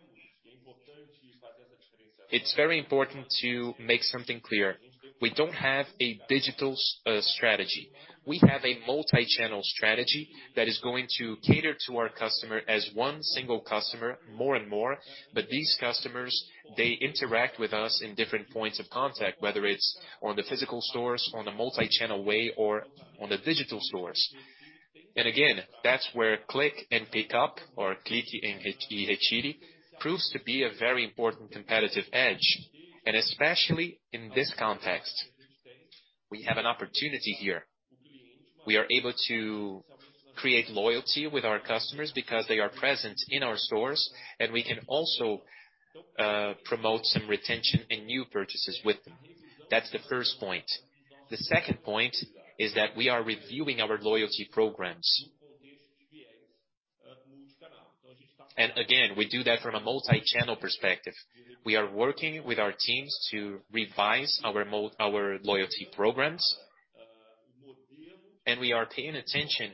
It's very important to make something clear. We don't have a digital strategy. We have a multi-channel strategy that is going to cater to our customer as one single customer more and more. These customers, they interact with us in different points of contact, whether it's on the physical stores, on a multi-channel way or on the digital stores. Again, that's where click and pick up or click proves to be a very important competitive edge, and especially in this context. We have an opportunity here. We are able to create loyalty with our customers because they are present in our stores, and we can also promote some retention and new purchases with them. That's the first point. The second point is that we are reviewing our loyalty programs. Again, we do that from a multi-channel perspective. We are working with our teams to revise our loyalty programs. We are paying attention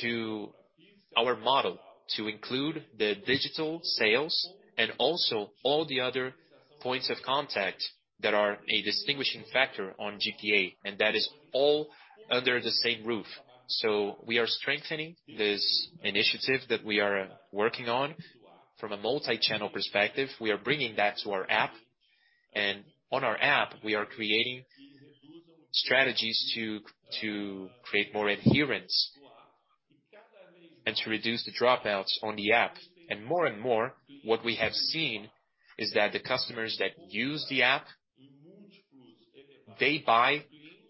to our model to include the digital sales and also all the other points of contact that are a distinguishing factor on GPA, and that is all under the same roof. We are strengthening this initiative that we are working on from a multi-channel perspective. We are bringing that to our app. On our app, we are creating strategies to create more adherence and to reduce the dropouts on the app. More and more, what we have seen is that the customers that use the app, they buy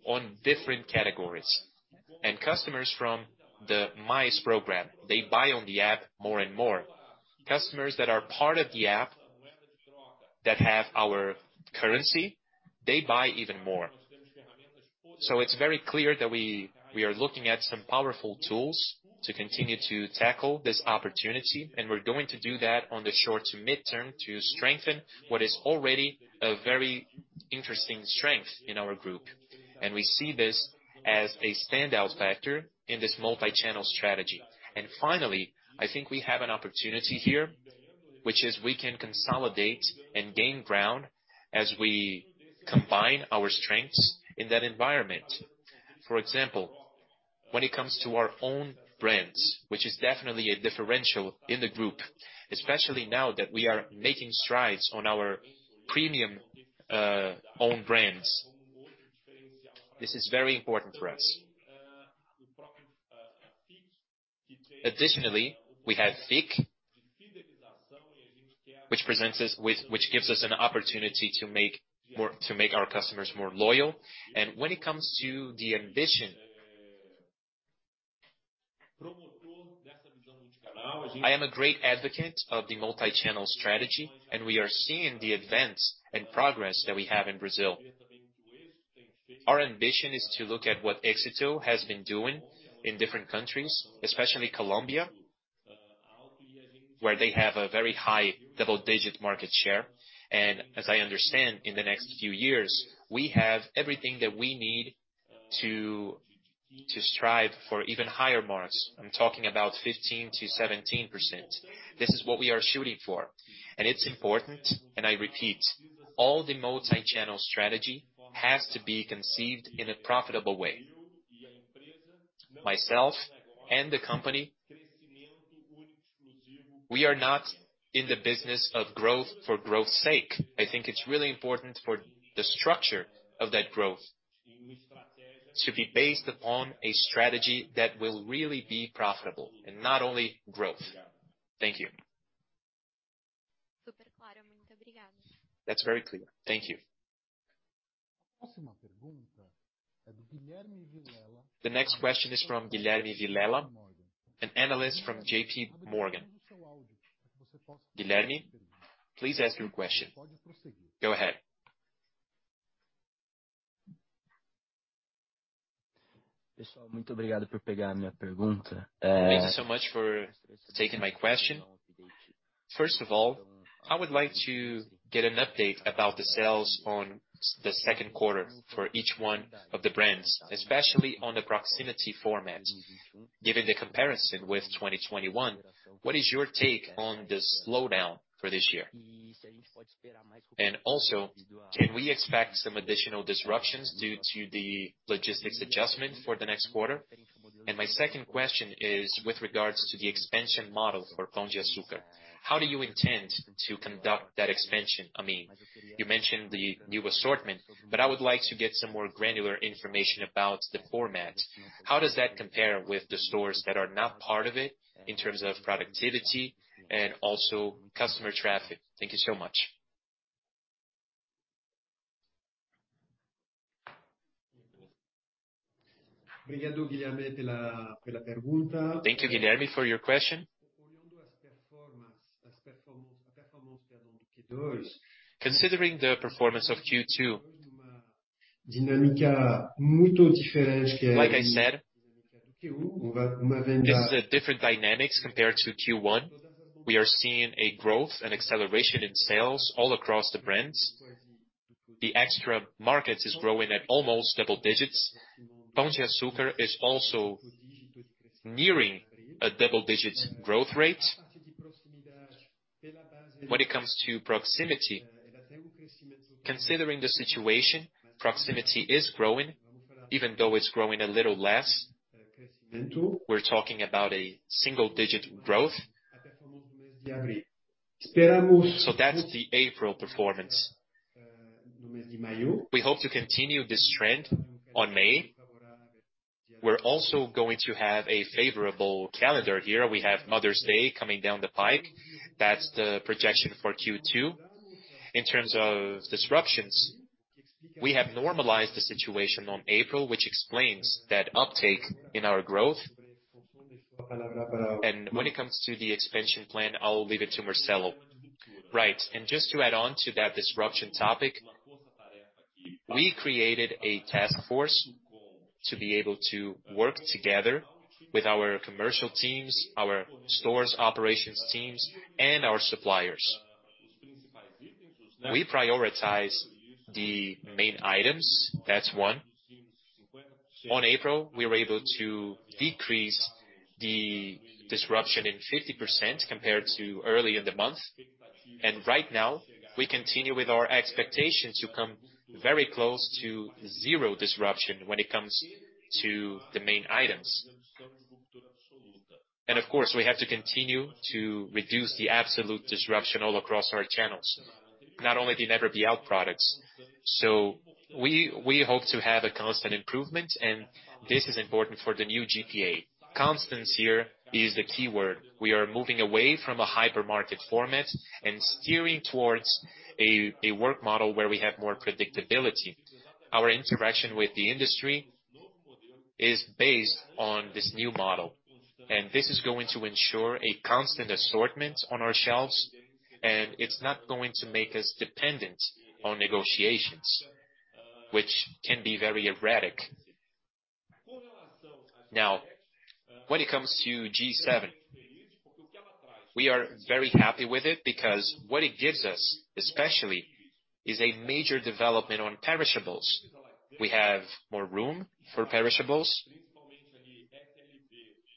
on different categories. Customers from the Mais program, they buy on the app more and more. Customers that are part of the app that have our currency, they buy even more. It's very clear that we are looking at some powerful tools to continue to tackle this opportunity, and we're going to do that on the short to mid-term to strengthen what is already a very interesting strength in our group. We see this as a standout factor in this multi-channel strategy. Finally, I think we have an opportunity here, which is we can consolidate and gain ground as we combine our strengths in that environment. For example, when it comes to our own brands, which is definitely a differential in the group, especially now that we are making strides on our premium own brands. This is very important for us. Additionally, we have FIC, which gives us an opportunity to make our customers more loyal. When it comes to the ambition, I am a great advocate of the multi-channel strategy, and we are seeing the events and progress that we have in Brazil. Our ambition is to look at what Éxito has been doing in different countries, especially Colombia, where they have a very high double-digit market share. As I understand, in the next few years, we have everything that we need to strive for even higher marks. I'm talking about 15%-17%. This is what we are shooting for. It's important, and I repeat, all the multi-channel strategy has to be conceived in a profitable way. Myself and the company, we are not in the business of growth for growth's sake. I think it's really important for the structure of that growth to be based upon a strategy that will really be profitable and not only growth. Thank you. Super claro. Muito obrigada. That's very clear. Thank you. The next question is from Guilherme Vilela, an analyst from JPMorgan. Guilherme, please ask your question. Go ahead. Thank you so much for taking my question. First of all, I would like to get an update about the sales on the second quarter for each one of the brands, especially on the proximity format. Given the comparison with 2021, what is your take on the slowdown for this year? Also, can we expect some additional disruptions due to the logistics adjustment for the next quarter? My second question is with regards to the expansion model for Pão de Açúcar. How do you intend to conduct that expansion? I mean, you mentioned the new assortment, but I would like to get some more granular information about the format. How does that compare with the stores that are not part of it in terms of productivity and also customer traffic? Thank you so much. Thank you, Guilherme, for your question. Considering the performance of Q2, like I said, this is a different dynamics compared to Q1. We are seeing a growth and acceleration in sales all across the brands. The Mercado Extra is growing at almost double digits. Pão de Açúcar is also nearing a double-digit growth rate. When it comes to proximity, considering the situation, proximity is growing, even though it's growing a little less. We're talking about a single-digit growth. So that's the April performance. We hope to continue this trend on May. We're also going to have a favorable calendar year. We have Mother's Day coming down the pike. That's the projection for Q2. In terms of disruptions, we have normalized the situation on April, which explains that uptake in our growth. When it comes to the expansion plan, I'll leave it to Marcelo. Right. Just to add on to that disruption topic, we created a task force to be able to work together with our commercial teams, our stores operations teams, and our suppliers. We prioritize the main items. That's one. On April, we were able to decrease the disruption in 50% compared to early in the month. Right now, we continue with our expectation to come very close to zero disruption when it comes to the main items. Of course, we have to continue to reduce the absolute disruption all across our channels, not only the never be out products. We hope to have a constant improvement, and this is important for the new GPA. Consistency here is the key word. We are moving away from a hypermarket format and steering towards a work model where we have more predictability. Our interaction with the industry is based on this new model, and this is going to ensure a constant assortment on our shelves, and it's not going to make us dependent on negotiations, which can be very erratic. Now, when it comes to G7, we are very happy with it because what it gives us, especially, is a major development on perishables. We have more room for perishables,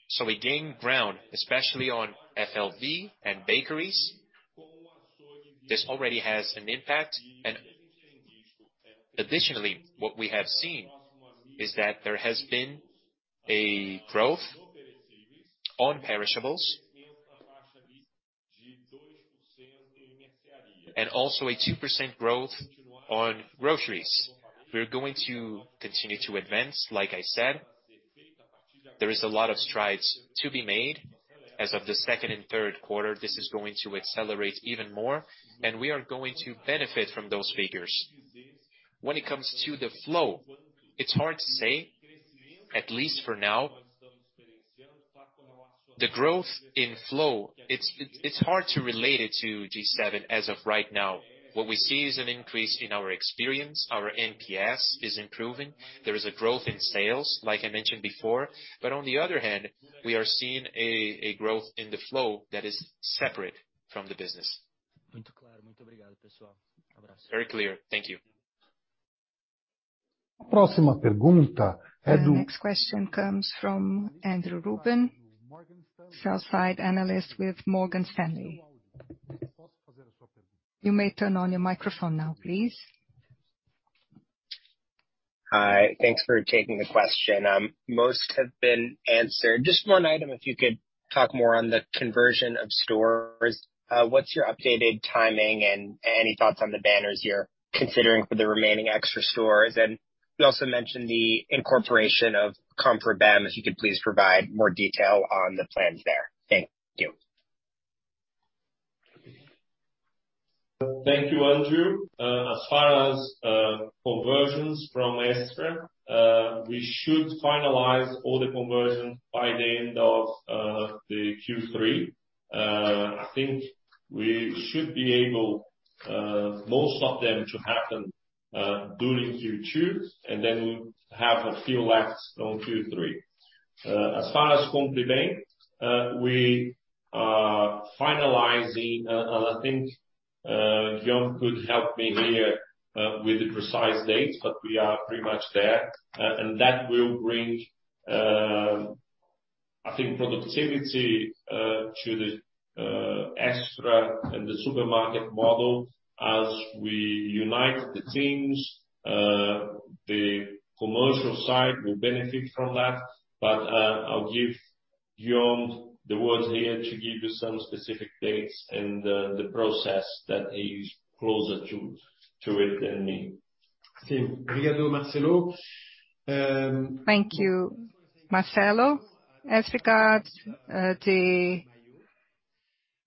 so we gain ground, especially on FLV and bakeries. This already has an impact. Additionally, what we have seen is that there has been a growth on perishables. Also a 2% growth on groceries. We're going to continue to advance, like I said. There is a lot of strides to be made. As of the second and third quarter, this is going to accelerate even more, and we are going to benefit from those figures. When it comes to the flow, it's hard to say, at least for now. The growth in flow, it's hard to relate it to G7 as of right now. What we see is an increase in our experience. Our NPS is improving. There is a growth in sales, like I mentioned before. But on the other hand, we are seeing a growth in the flow that is separate from the business. Very clear. Thank you. The next question comes from Andrew Ruben, Sell-Side Analyst with Morgan Stanley. You may turn on your microphone now, please. Hi. Thanks for taking the question. Most have been answered. Just one item, if you could talk more on the conversion of stores. What's your updated timing and any thoughts on the banners you're considering for the remaining Extra stores? You also mentioned the incorporation of Compre Bem. If you could please provide more detail on the plans there. Thank you. Thank you, Andrew. As far as conversions from Extra, we should finalize all the conversions by the end of the Q3. I think we should be able most of them to happen during Q2, and then have a few left on Q3. As far as Compre Bem, we are finalizing, and I think Guillaume could help me here with the precise dates, but we are pretty much there. And that will bring, I think, productivity to the Extra and the supermarket model as we unite the teams. The commercial side will benefit from that. I'll give Guillaume the words here to give you some specific dates and the process that he's closer to it than me. Thank you, Marcelo. As regards the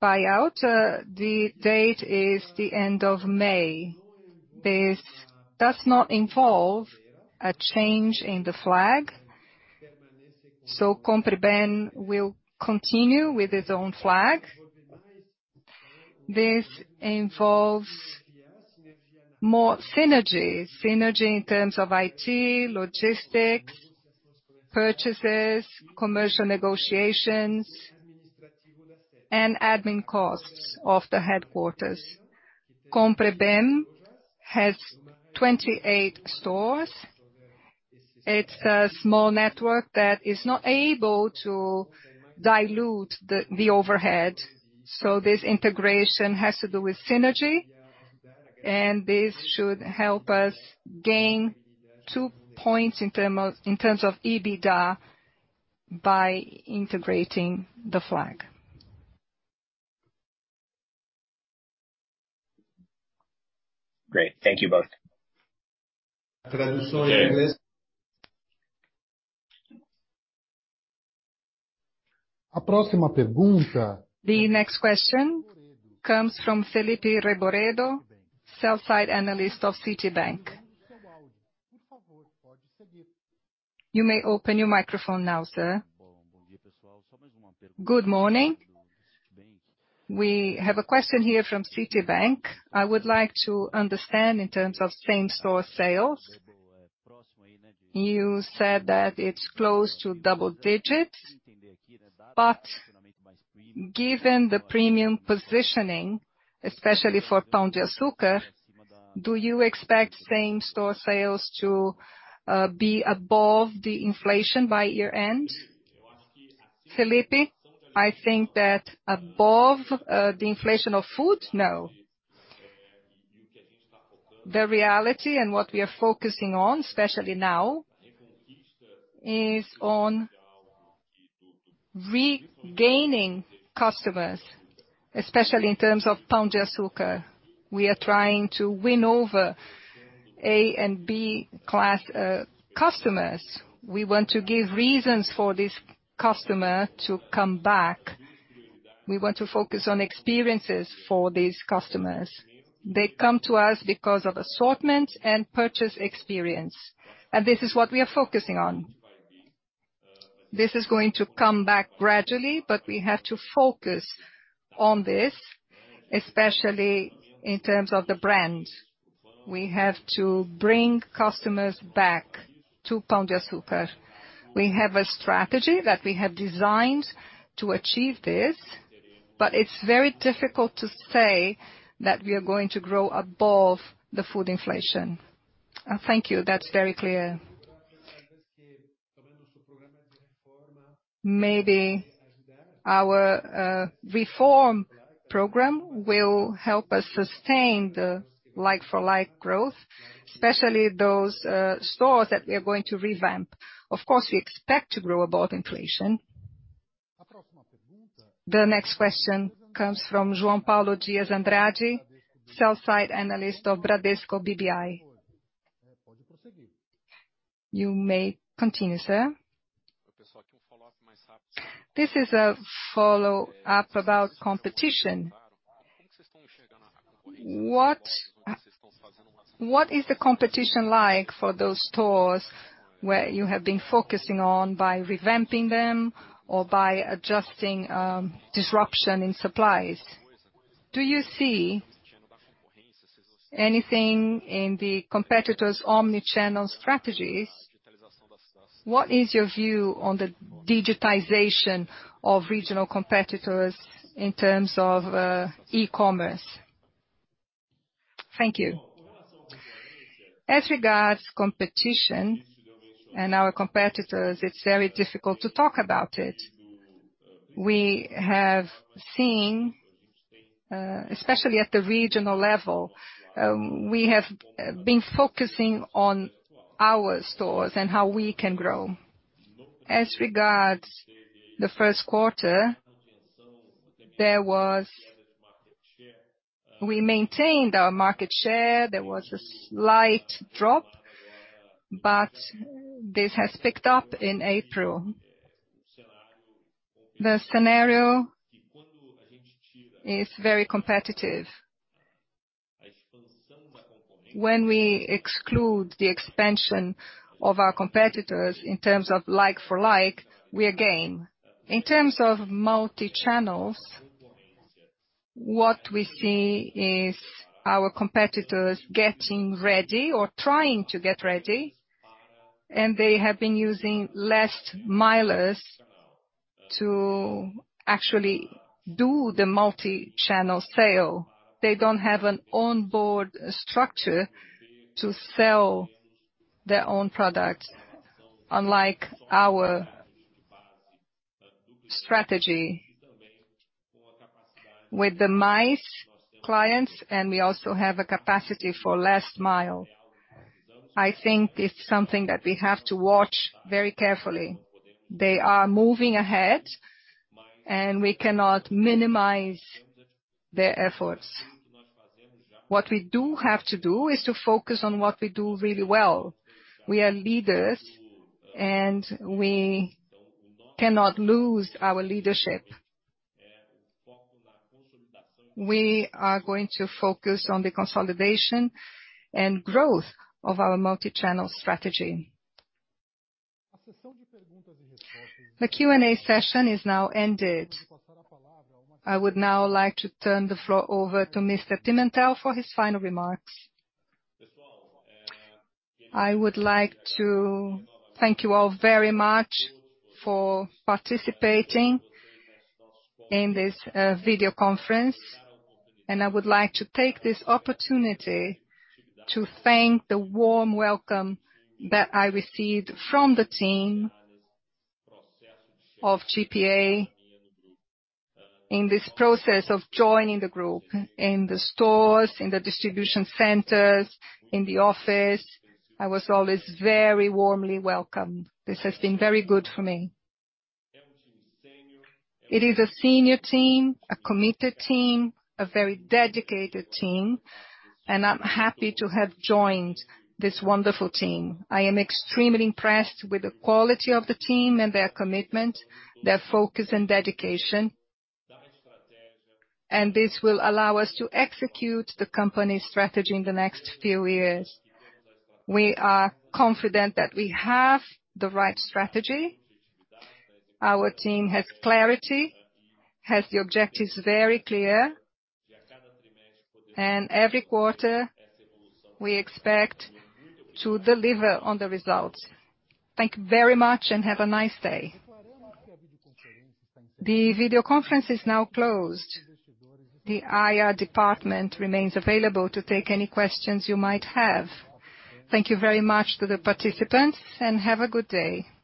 buyout, the date is the end of May. This does not involve a change in the flag. Compre Bem will continue with its own flag. This involves more synergy. Synergy in terms of IT, logistics, purchases, commercial negotiations, and admin costs of the headquarters. Compre Bem has 28 stores. It's a small network that is not able to dilute the overhead. This integration has to do with synergy, and this should help us gain 2 points in terms of EBITDA by integrating the flag. Great. Thank you both. Okay. The next question comes from Felipe Reboredo, Sell-Side Analyst of Goldman Sachs. You may open your microphone now, sir. Good morning. We have a question here from Citibank. I would like to understand in terms of same store sales. You said that it's close to double digit, but given the premium positioning, especially for Pão de Açúcar, do you expect same store sales to be above the inflation by year-end? Felipe, I think that above the inflation of food? No. The reality and what we are focusing on, especially now, is on regaining customers, especially in terms of Pão de Açúcar. We are trying to win over A and B class customers. We want to give reasons for this customer to come back. We want to focus on experiences for these customers. They come to us because of assortment and purchase experience. This is what we are focusing on. This is going to come back gradually, but we have to focus on this, especially in terms of the brand. We have to bring customers back to Pão de Açúcar. We have a strategy that we have designed to achieve this, but it's very difficult to say that we are going to grow above the food inflation. Thank you. That's very clear. Maybe our reform program will help us sustain the like-for-like growth, especially those stores that we are going to revamp. Of course, we expect to grow above inflation. The next question comes from João Paulo Dias Andrade, Sell-Side Analyst of Bradesco BBI. You may continue, sir. This is a follow-up about competition. What is the competition like for those stores where you have been focusing on by revamping them or by adjusting disruption in supplies? Do you see anything in the competitors' omni-channel strategies? What is your view on the digitization of regional competitors in terms of e-commerce? Thank you. As regards competition and our competitors, it's very difficult to talk about it. We have seen, especially at the regional level, we have been focusing on our stores and how we can grow. As regards the first quarter, we maintained our market share. There was a slight drop, but this has picked up in April. The scenario is very competitive. When we exclude the expansion of our competitors in terms of like for like, we are gaining. In terms of multi-channels, what we see is our competitors getting ready or trying to get ready, and they have been using last milers to actually do the multi-channel sale. They don't have an onboard structure to sell their own products, unlike our strategy with the Mais clients, and we also have a capacity for last mile. I think it's something that we have to watch very carefully. They are moving ahead, and we cannot minimize their efforts. What we do have to do is to focus on what we do really well. We are leaders, and we cannot lose our leadership. We are going to focus on the consolidation and growth of our multi-channel strategy. The Q&A session is now ended. I would now like to turn the floor over to Mr. Pimentel for his final remarks. I would like to thank you all very much for participating in this video conference, and I would like to take this opportunity to thank the warm welcome that I received from the team of GPA in this process of joining the group, in the stores, in the distribution centers, in the office. I was always very warmly welcomed. This has been very good for me. It is a senior team, a committed team, a very dedicated team, and I'm happy to have joined this wonderful team. I am extremely impressed with the quality of the team and their commitment, their focus and dedication. This will allow us to execute the company's strategy in the next few years. We are confident that we have the right strategy. Our team has clarity, has the objectives very clear. Every quarter, we expect to deliver on the results. Thank you very much, and have a nice day. The video conference is now closed. The IR department remains available to take any questions you might have. Thank you very much to the participants, and have a good day.